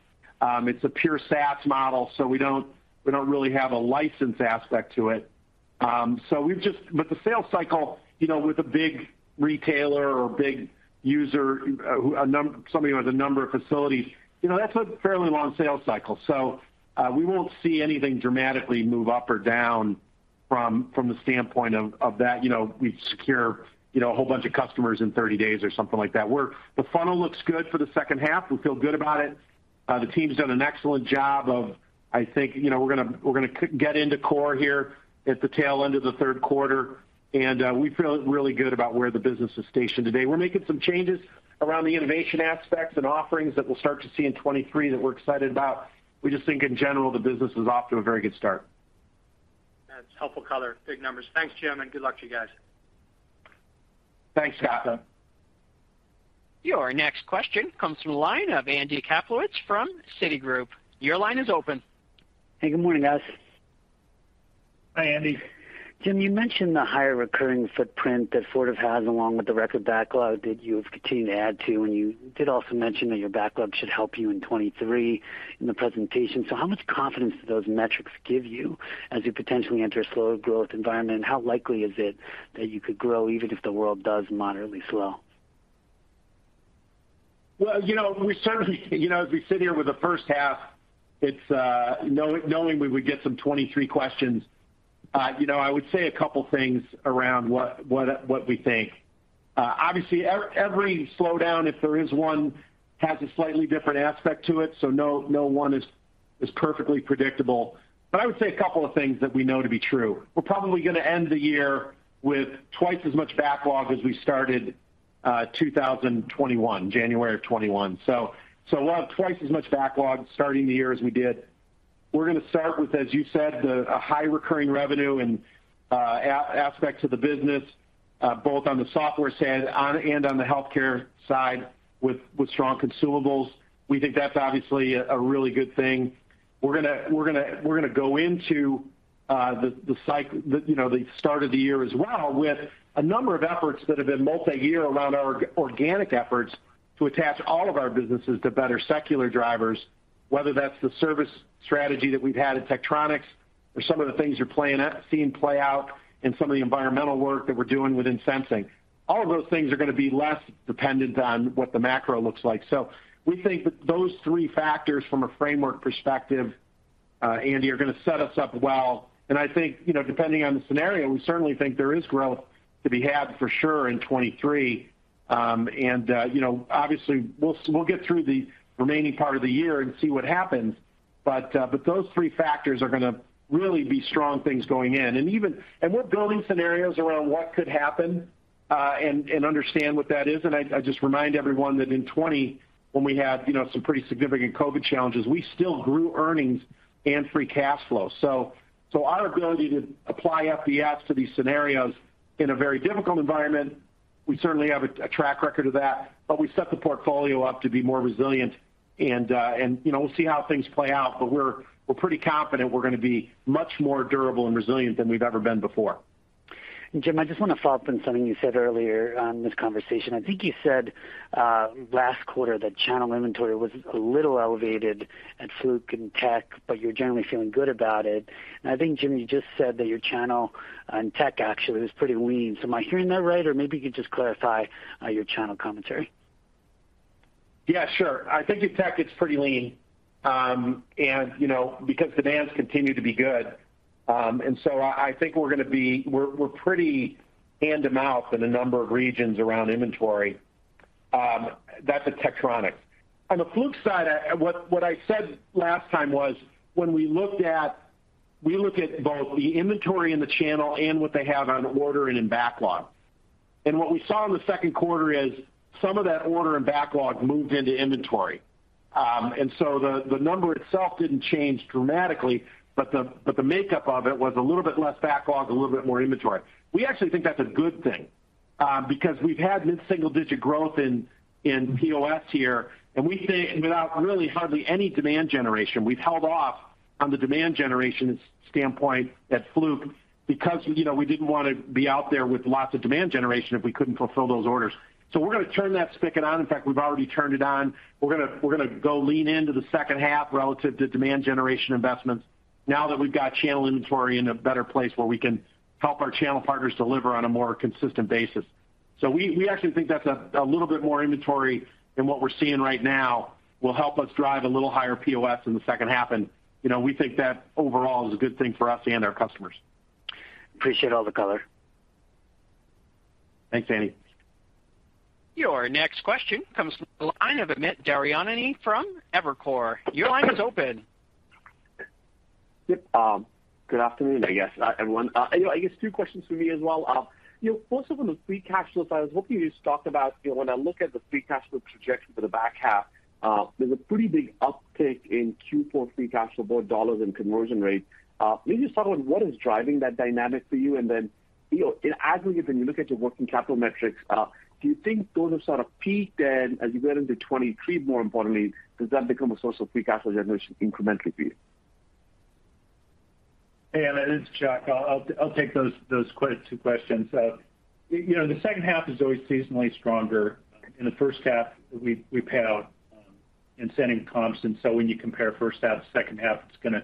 It's a pure SaaS model, so we don't really have a license aspect to it. The sales cycle, you know, with a big retailer or big user, somebody who has a number of facilities, you know, that's a fairly long sales cycle. We won't see anything dramatically move up or down from the standpoint of that. You know, we've secured a whole bunch of customers in 30 days or something like that. The funnel looks good for the second half. We feel good about it. The team's done an excellent job of, I think, you know, we're gonna get into core here at the tail end of the third quarter, and we feel really good about where the business is positioned today. We're making some changes around the innovation aspects and offerings that we'll start to see in 2023 that we're excited about. We just think in general the business is off to a very good start. That's helpful color. Big numbers. Thanks, Jim, and good luck to you guys. Thanks, Scott. Your next question comes from the line of Andy Kaplowitz from Citigroup. Your line is open. Hey, good morning, guys. Hi, Andy. Jim, you mentioned the higher recurring footprint that FLIR has along with the record backlog that you have continued to add to, and you did also mention that your backlog should help you in 2023 in the presentation. How much confidence do those metrics give you as you potentially enter a slower growth environment? How likely is it that you could grow even if the world does moderately slow? Well, you know, we certainly, you know, as we sit here with the first half, it's knowing we would get some 2023 questions, you know, I would say a couple things around what we think. Obviously, every slowdown, if there is one, has a slightly different aspect to it, so no one is perfectly predictable. I would say a couple of things that we know to be true. We're probably gonna end the year with twice as much backlog as we started 2021, January of 2021. We'll have twice as much backlog starting the year as we did. We're gonna start with, as you said, a high recurring revenue and aspects of the business, both on the software side and on the healthcare side with strong consumables. We think that's obviously a really good thing. We're gonna go into the start of the year as well with a number of efforts that have been multiyear around our organic efforts to attach all of our businesses to better secular drivers, whether that's the service strategy that we've had at Tektronix or some of the things you're seeing play out in some of the environmental work that we're doing within Sensing. All of those things are gonna be less dependent on what the macro looks like. We think that those three factors from a framework perspective, Andy, are gonna set us up well. I think, you know, depending on the scenario, we certainly think there is growth to be had for sure in 2023. You know, obviously, we'll get through the remaining part of the year and see what happens. Those three factors are gonna really be strong things going in. We're building scenarios around what could happen and understand what that is. I just remind everyone that in 2020, when we had, you know, some pretty significant COVID challenges, we still grew earnings and free cash flow. Our ability to apply FBS to these scenarios in a very difficult environment. We certainly have a track record of that, but we set the portfolio up to be more resilient and, you know, we'll see how things play out, but we're pretty confident we're gonna be much more durable and resilient than we've ever been before. Jim, I just wanna follow up on something you said earlier on this conversation. I think you said last quarter that channel inventory was a little elevated at Fluke and Tek, but you're generally feeling good about it. I think, Jim, you just said that your channel on Tek actually was pretty lean. Am I hearing that right? Or maybe you could just clarify your channel commentary. Yeah, sure. I think in Tek it's pretty lean, and, you know, because demands continue to be good. I think we're gonna be. We're pretty hand-to-mouth in a number of regions around inventory, that's at Tektronix. On the Fluke side, what I said last time was when we look at both the inventory in the channel and what they have on order and in backlog. What we saw in the second quarter is some of that order and backlog moved into inventory. The number itself didn't change dramatically, but the makeup of it was a little bit less backlog, a little bit more inventory. We actually think that's a good thing, because we've had mid-single digit growth in POS here, and we think without really hardly any demand generation, we've held off on the demand generation standpoint at Fluke because, you know, we didn't wanna be out there with lots of demand generation if we couldn't fulfill those orders. We're gonna turn that spigot on. In fact, we've already turned it on. We're gonna go lean into the second half relative to demand generation investments now that we've got channel inventory in a better place where we can help our channel partners deliver on a more consistent basis. We actually think that's a little bit more inventory than what we're seeing right now will help us drive a little higher POS in the second half. You know, we think that overall is a good thing for us and our customers. Appreciate all the color. Thanks, Andy. Your next question comes from the line of Amit Daryanani from Evercore. Your line is open. Yep. Good afternoon, I guess, everyone. You know, I guess two questions for me as well. You know, first of all, the free cash flows, I was hoping you just talked about, you know, when I look at the free cash flow projection for the back half, there's a pretty big uptick in Q4 free cash flow, both dollars and conversion rate. Maybe just start with what is driving that dynamic for you, and then, you know, in aggregate, when you look at your working capital metrics, do you think those have sort of peaked? As you go into 2023, more importantly, does that become a source of free cash flow generation incrementally for you? Hey, Amit. It's Chuck. I'll take those two questions. You know, the second half is always seasonally stronger. In the first half, we pay out incentive comps, and so when you compare first half to second half, it's gonna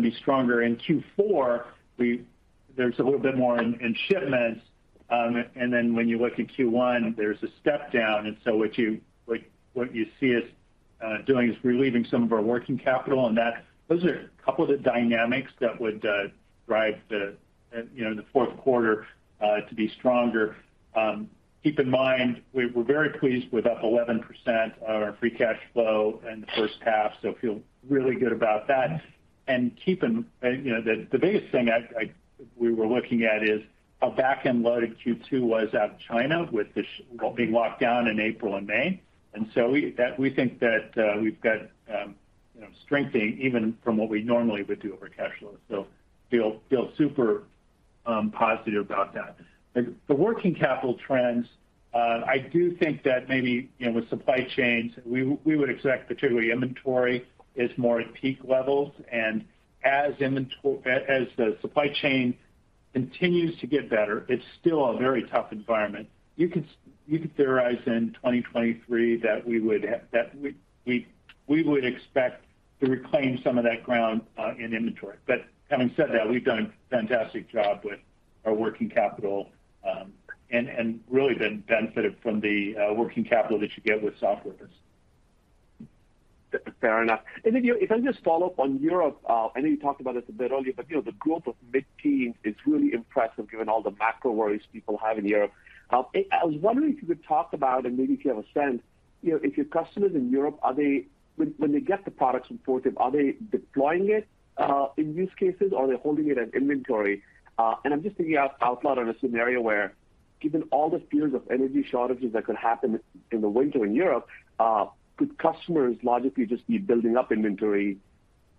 be stronger. In Q4, there's a little bit more in shipments. Then when you look at Q1, there's a step down. Like what you see us doing is relieving some of our working capital, and that. Those are a couple of the dynamics that would drive the fourth quarter to be stronger. Keep in mind, we're very pleased with up 11% on our free cash flow in the first half, so feel really good about that. Keep in The biggest thing we were looking at is how back-end loaded Q2 was out of China with Shanghai being locked down in April and May. We think that we've got strengthening even from what we normally would do over cash flows. Feel super positive about that. The working capital trends, I do think that maybe with supply chains, we would expect particularly inventory is more at peak levels. As the supply chain continues to get better, it's still a very tough environment. You could theorize in 2023 that we would expect to reclaim some of that ground in inventory. Having said that, we've done a fantastic job with our working capital, and really been benefited from the working capital that you get with software business. Fair enough. You know, if I just follow up on Europe, I know you talked about it a bit earlier, but you know, the growth of mid-teen is really impressive given all the macro worries people have in Europe. I was wondering if you could talk about, and maybe if you have a sense, you know, if your customers in Europe, are they, when they get the products imported, are they deploying it in use cases, or are they holding it as inventory? I'm just thinking out loud on a scenario where given all the fears of energy shortages that could happen in the winter in Europe, could customers logically just be building up inventory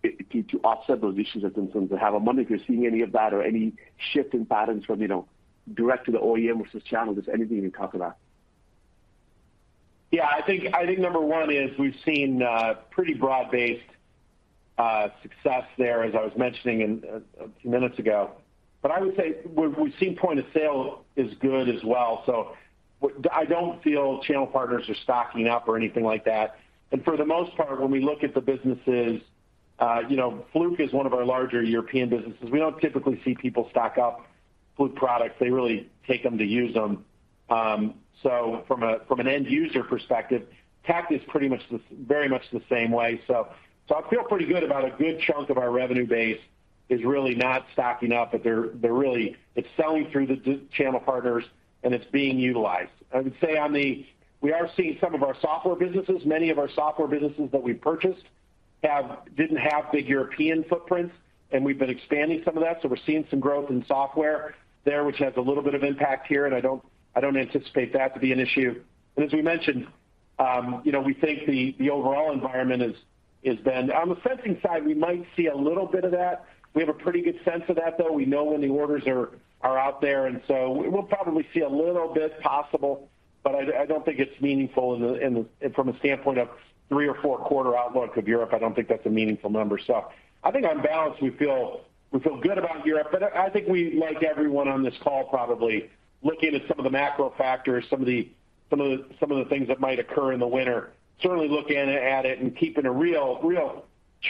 to offset those issues that they seem to have? I wonder if you're seeing any of that or any shift in patterns from, you know, direct to the OEM versus channel? Just anything you can talk about? Yeah. I think number one is we've seen pretty broad-based success there, as I was mentioning a few minutes ago. I would say we've seen point of sale is good as well. I don't feel channel partners are stocking up or anything like that. For the most part, when we look at the businesses, you know, Fluke is one of our larger European businesses. We don't typically see people stock up Fluke products. They really take them to use them. From an end user perspective, Tek is pretty much very much the same way. I feel pretty good about a good chunk of our revenue base is really not stocking up, but they're really selling through the channel partners, and it's being utilized. We are seeing some of our software businesses, many of our software businesses that we've purchased didn't have big European footprints, and we've been expanding some of that. We're seeing some growth in software there, which has a little bit of impact here, and I don't anticipate that to be an issue. As we mentioned, you know, we think the overall environment has been. On the Sensing side, we might see a little bit of that. We have a pretty good sense of that, though. We know when the orders are out there, and we'll probably see a little bit possible, but I don't think it's meaningful in the. From a standpoint of three or four quarter outlook of Europe, I don't think that's a meaningful number. I think on balance, we feel good about Europe. I think we, like everyone on this call probably, looking at some of the macro factors, some of the things that might occur in the winter, certainly looking at it and keeping a real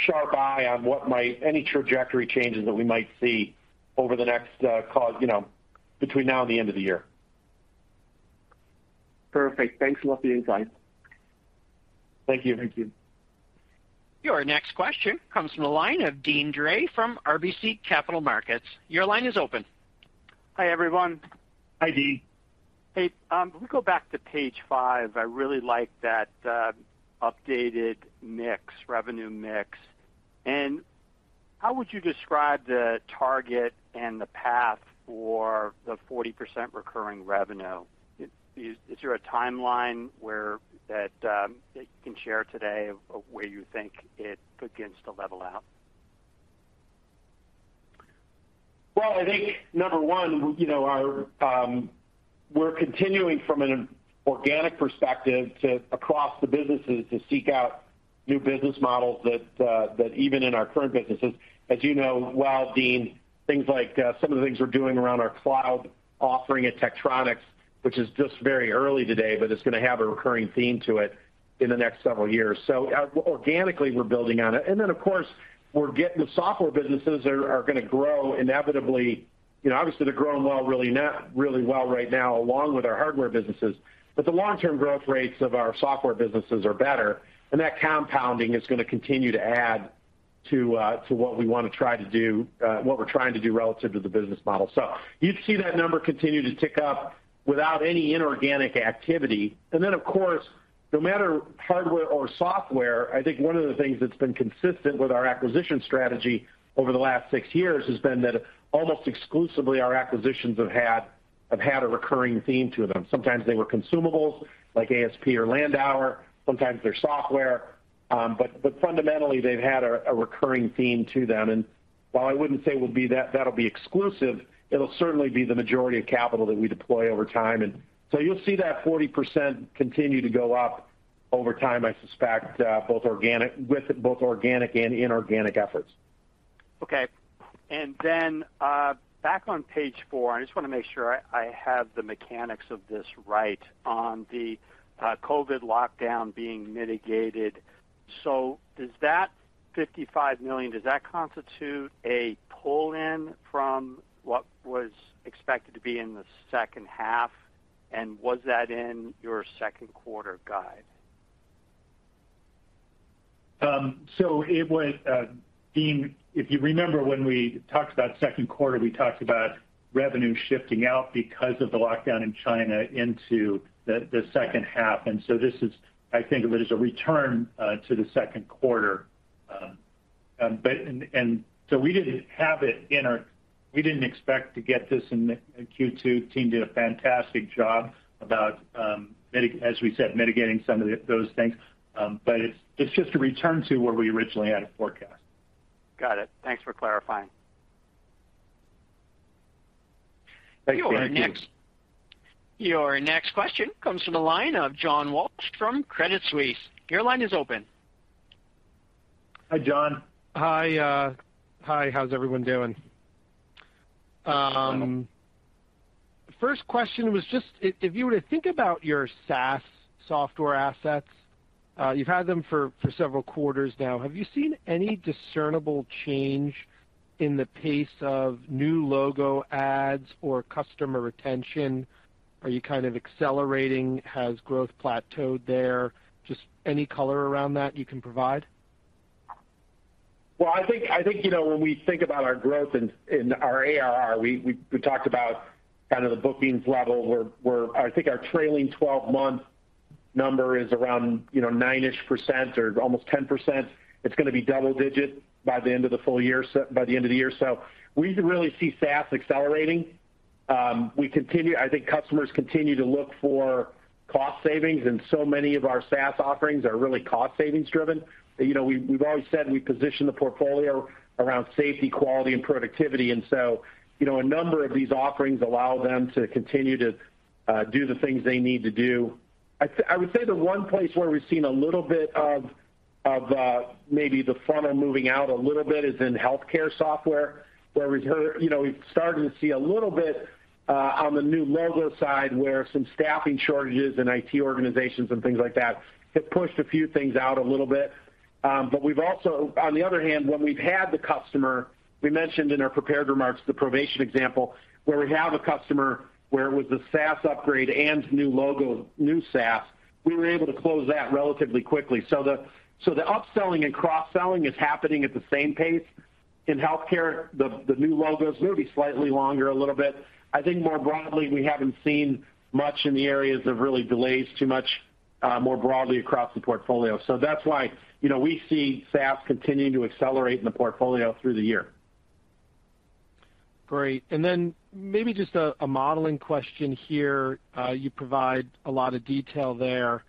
sharp eye on what might any trajectory changes that we might see over the next call, you know, between now and the end of the year. Perfect. Thanks a lot for the insight. Thank you. Thank you. Your next question comes from the line of Deane Dray from RBC Capital Markets. Your line is open. Hi, everyone. Hi, Deane. Hey, if we go back to page five, I really like that updated mix, revenue mix. How would you describe the target and the path for the 40% recurring revenue? Is there a timeline where that you can share today of where you think it begins to level out? Well, I think number one, you know, we're continuing from an organic perspective across the businesses to seek out new business models that even in our current businesses. As you know well, Dean, things like some of the things we're doing around our cloud offering at Tektronix, which is just very early today, but it's gonna have a recurring theme to it in the next several years. Organically, we're building on it. Then, of course, the software businesses are gonna grow inevitably. You know, obviously, they're growing well really well right now, along with our hardware businesses. The long-term growth rates of our software businesses are better, and that compounding is gonna continue to add to what we wanna try to do what we're trying to do relative to the business model. You'd see that number continue to tick up without any inorganic activity. Then, of course, no matter hardware or software, I think one of the things that's been consistent with our acquisition strategy over the last six years has been that almost exclusively our acquisitions have had a recurring theme to them. Sometimes they were consumables like ASP or Landauer. Sometimes they're software. But fundamentally, they've had a recurring theme to them. While I wouldn't say that'll be exclusive, it'll certainly be the majority of capital that we deploy over time, and so you'll see that 40% continue to go up over time, I suspect, with both organic and inorganic efforts. Back on page four, I just wanna make sure I have the mechanics of this right on the COVID lockdown being mitigated. Does that $55 million constitute a pull-in from what was expected to be in the second half? Was that in your second quarter guide? It was, Deane, if you remember when we talked about second quarter, we talked about revenue shifting out because of the lockdown in China into the second half. This is a return. I think of it as a return to the second quarter. We didn't have it in our. We didn't expect to get this in Q2. The team did a fantastic job, as we said, mitigating some of those things. It's just a return to where we originally had it forecast. Got it. Thanks for clarifying. Thanks, Dean. Your next- Your next question comes from the line of John Walsh from Credit Suisse. Your line is open. Hi, John. Hi. Hi, how's everyone doing? First question was just if you were to think about your SaaS software assets, you've had them for several quarters now, have you seen any discernible change in the pace of new logo adds or customer retention? Are you kind of accelerating? Has growth plateaued there? Just any color around that you can provide. Well, I think you know when we think about our growth in our ARR, we talked about kind of the bookings level where I think our trailing twelve-month number is around you know 9-ish% or almost 10%. It's gonna be double digit by the end of the full year, so by the end of the year. We really see SaaS accelerating. Customers continue to look for cost savings, and so many of our SaaS offerings are really cost savings driven. You know, we've always said we position the portfolio around safety, quality and productivity. You know, a number of these offerings allow them to continue to do the things they need to do. I would say the one place where we've seen a little bit of maybe the funnel moving out a little bit is in healthcare software, where we've heard, you know, we've started to see a little bit on the new logo side, where some staffing shortages and IT organizations and things like that have pushed a few things out a little bit. But on the other hand, when we've had the customer, we mentioned in our prepared remarks the Provation example, where we have a customer where it was a SaaS upgrade and new logo, new SaaS, we were able to close that relatively quickly. So the upselling and cross-selling is happening at the same pace. In healthcare, the new logos may be slightly longer a little bit. I think more broadly, we haven't seen much in the areas of real delays too much, more broadly across the portfolio. That's why, you know, we see SaaS continuing to accelerate in the portfolio through the year. Great. Maybe just a modeling question here. You provide a lot of detail there.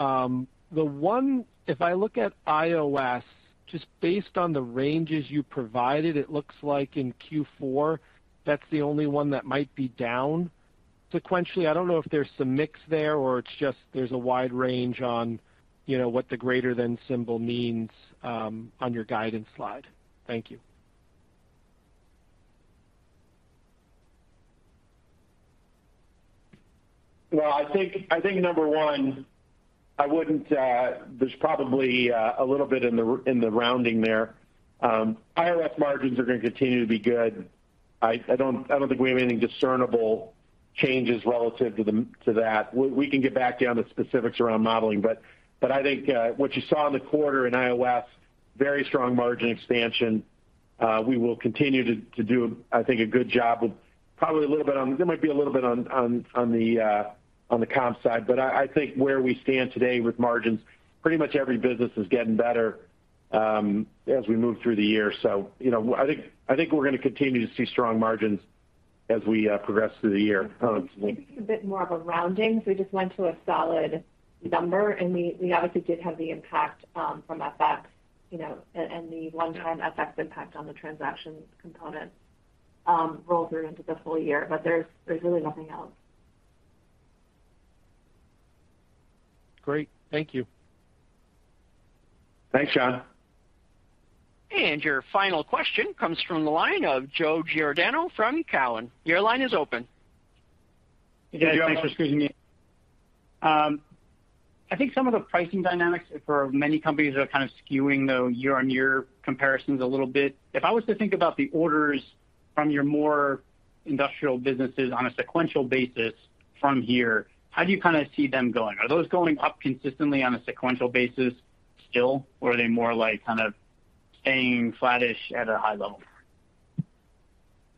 If I look at IOS, just based on the ranges you provided, it looks like in Q4, that's the only one that might be down sequentially. I don't know if there's some mix there or it's just a wide range on, you know, what the greater than symbol means, on your guidance slide. Thank you. Well, I think number one, there's probably a little bit in the rounding there. IOS margins are gonna continue to be good. I don't think we have any discernible changes relative to that. We can get back to you on the specifics around modeling, but I think what you saw in the quarter in IOS, very strong margin expansion. We will continue to do, I think, a good job with probably a little bit on. There might be a little bit on the comp side, but I think where we stand today with margins, pretty much every business is getting better as we move through the year. You know, I think we're gonna continue to see strong margins as we progress through the year. Um- It's a bit more of a rounding, so we just went to a solid number, and we obviously did have the impact from FX, you know, and the one-time FX impact on the transactions component roll through into the full year. There's really nothing else. Great. Thank you. Thanks, John. Your final question comes from the line of Joe Giordano from Cowen. Your line is open. Hey, Joe. Thanks for squeezing me in. I think some of the pricing dynamics for many companies are kind of skewing the year-on-year comparisons a little bit. If I was to think about the orders from your more industrial businesses on a sequential basis from here, how do you kinda see them going? Are those going up consistently on a sequential basis still? Or are they more like kind of staying flattish at a high level?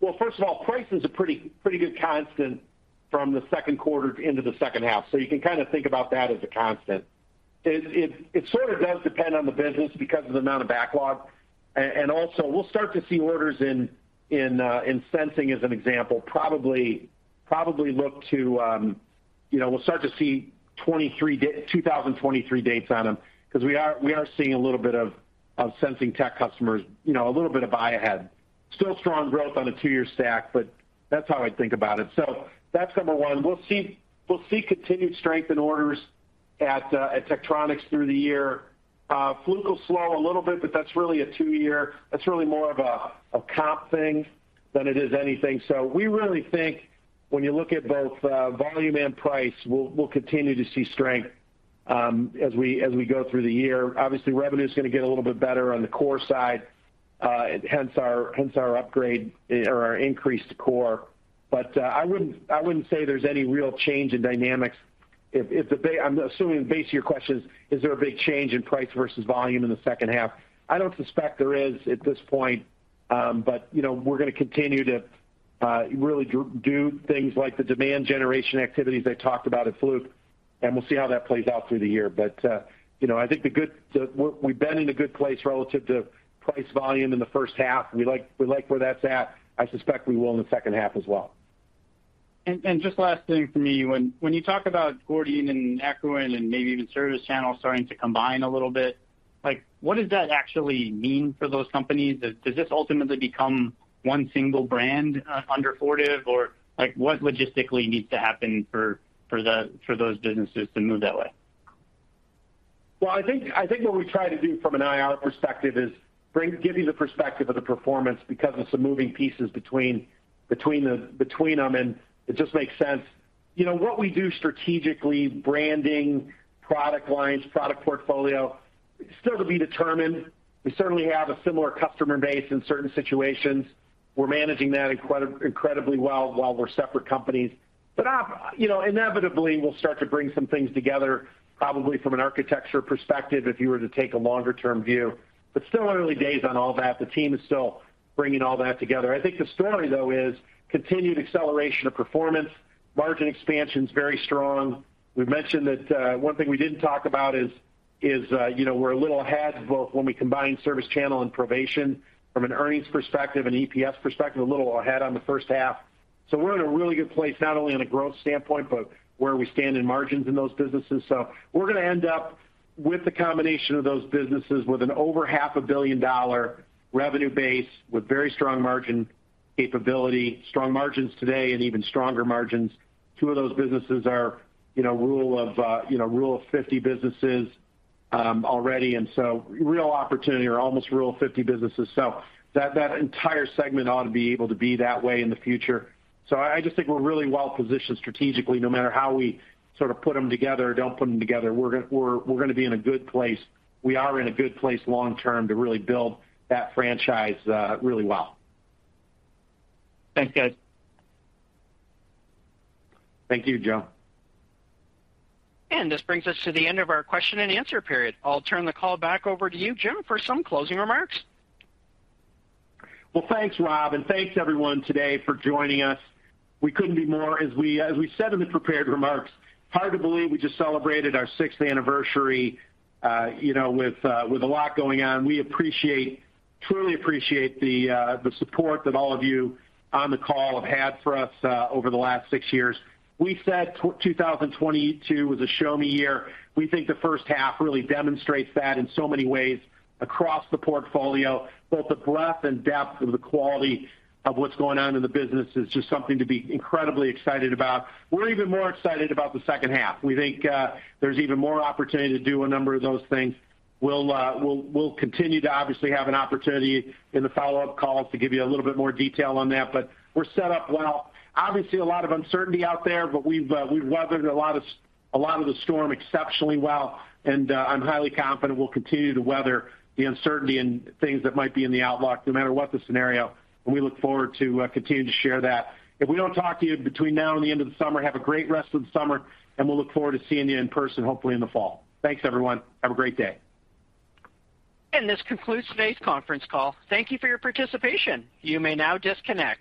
Well, first of all, price is a pretty good constant from the second quarter into the second half. You can kind of think about that as a constant. It sort of does depend on the business because of the amount of backlog. And also, we'll start to see orders in Sensing, as an example, probably look to, you know, we'll start to see 2023 dates on them 'cause we are seeing a little bit of Sensing tech customers, you know, a little bit of buy ahead. Still strong growth on a two-year stack, but that's how I'd think about it. That's number one. We'll see continued strength in orders at Tektronix through the year. Fluke will slow a little bit, but that's really a two-year. That's really more of a comp thing than it is anything. We really think when you look at both volume and price, we'll continue to see strength as we go through the year. Obviously, revenue's gonna get a little bit better on the core side, hence our upgrade or our increased core. I wouldn't say there's any real change in dynamics. I'm assuming the base of your question is there a big change in price versus volume in the second half? I don't suspect there is at this point. You know, we're gonna continue to really do things like the demand generation activities I talked about at Fluke, and we'll see how that plays out through the year. You know, I think we've been in a good place relative to price volume in the first half, and we like where that's at. I suspect we will in the second half as well. Just last thing for me. When you talk about Gordian and Accruent and maybe even ServiceChannel starting to combine a little bit, like, what does that actually mean for those companies? Does this ultimately become one single brand under Fortive? Or, like, what logistically needs to happen for those businesses to move that way? Well, I think what we try to do from an IR perspective is give you the perspective of the performance because of some moving pieces between them, and it just makes sense. You know, what we do strategically, branding, product lines, product portfolio, still to be determined. We certainly have a similar customer base in certain situations. We're managing that incredibly well while we're separate companies. You know, inevitably, we'll start to bring some things together, probably from an architecture perspective, if you were to take a longer term view, but still early days on all that. The team is still bringing all that together. I think the story, though, is continued acceleration of performance. Margin expansion's very strong. We've mentioned that one thing we didn't talk about is, you know, we're a little ahead, both when we combine ServiceChannel and Provation from an earnings perspective and EPS perspective, a little ahead on the first half. We're in a really good place, not only on a growth standpoint, but where we stand in margins in those businesses. We're gonna end up with the combination of those businesses with an over half a billion dollars revenue base with very strong margin capability, strong margins today and even stronger margins. Two of those businesses are, you know, rule of fifty businesses already, and so real opportunity or almost rule of fifty businesses. That entire segment ought to be able to be that way in the future. I just think we're really well-positioned strategically, no matter how we sort of put them together, don't put them together. We're gonna be in a good place. We are in a good place long term to really build that franchise, really well. Thanks, guys. Thank you, Joe. This brings us to the end of our question-and-answer period. I'll turn the call back over to you, Jim, for some closing remarks. Well, thanks, Rob, and thanks everyone today for joining us. As we said in the prepared remarks, hard to believe we just celebrated our sixth anniversary with a lot going on. We appreciate, truly appreciate the support that all of you on the call have had for us over the last six years. We said 2022 was a show me year. We think the first half really demonstrates that in so many ways across the portfolio. Both the breadth and depth of the quality of what's going on in the business is just something to be incredibly excited about. We're even more excited about the second half. We think there's even more opportunity to do a number of those things. We'll continue to obviously have an opportunity in the follow-up calls to give you a little bit more detail on that, but we're set up well. Obviously, a lot of uncertainty out there, but we've weathered a lot of the storm exceptionally well, and I'm highly confident we'll continue to weather the uncertainty and things that might be in the outlook no matter what the scenario, and we look forward to continuing to share that. If we don't talk to you between now and the end of the summer, have a great rest of the summer, and we'll look forward to seeing you in person, hopefully in the fall. Thanks, everyone. Have a great day. This concludes today's conference call. Thank you for your participation. You may now disconnect.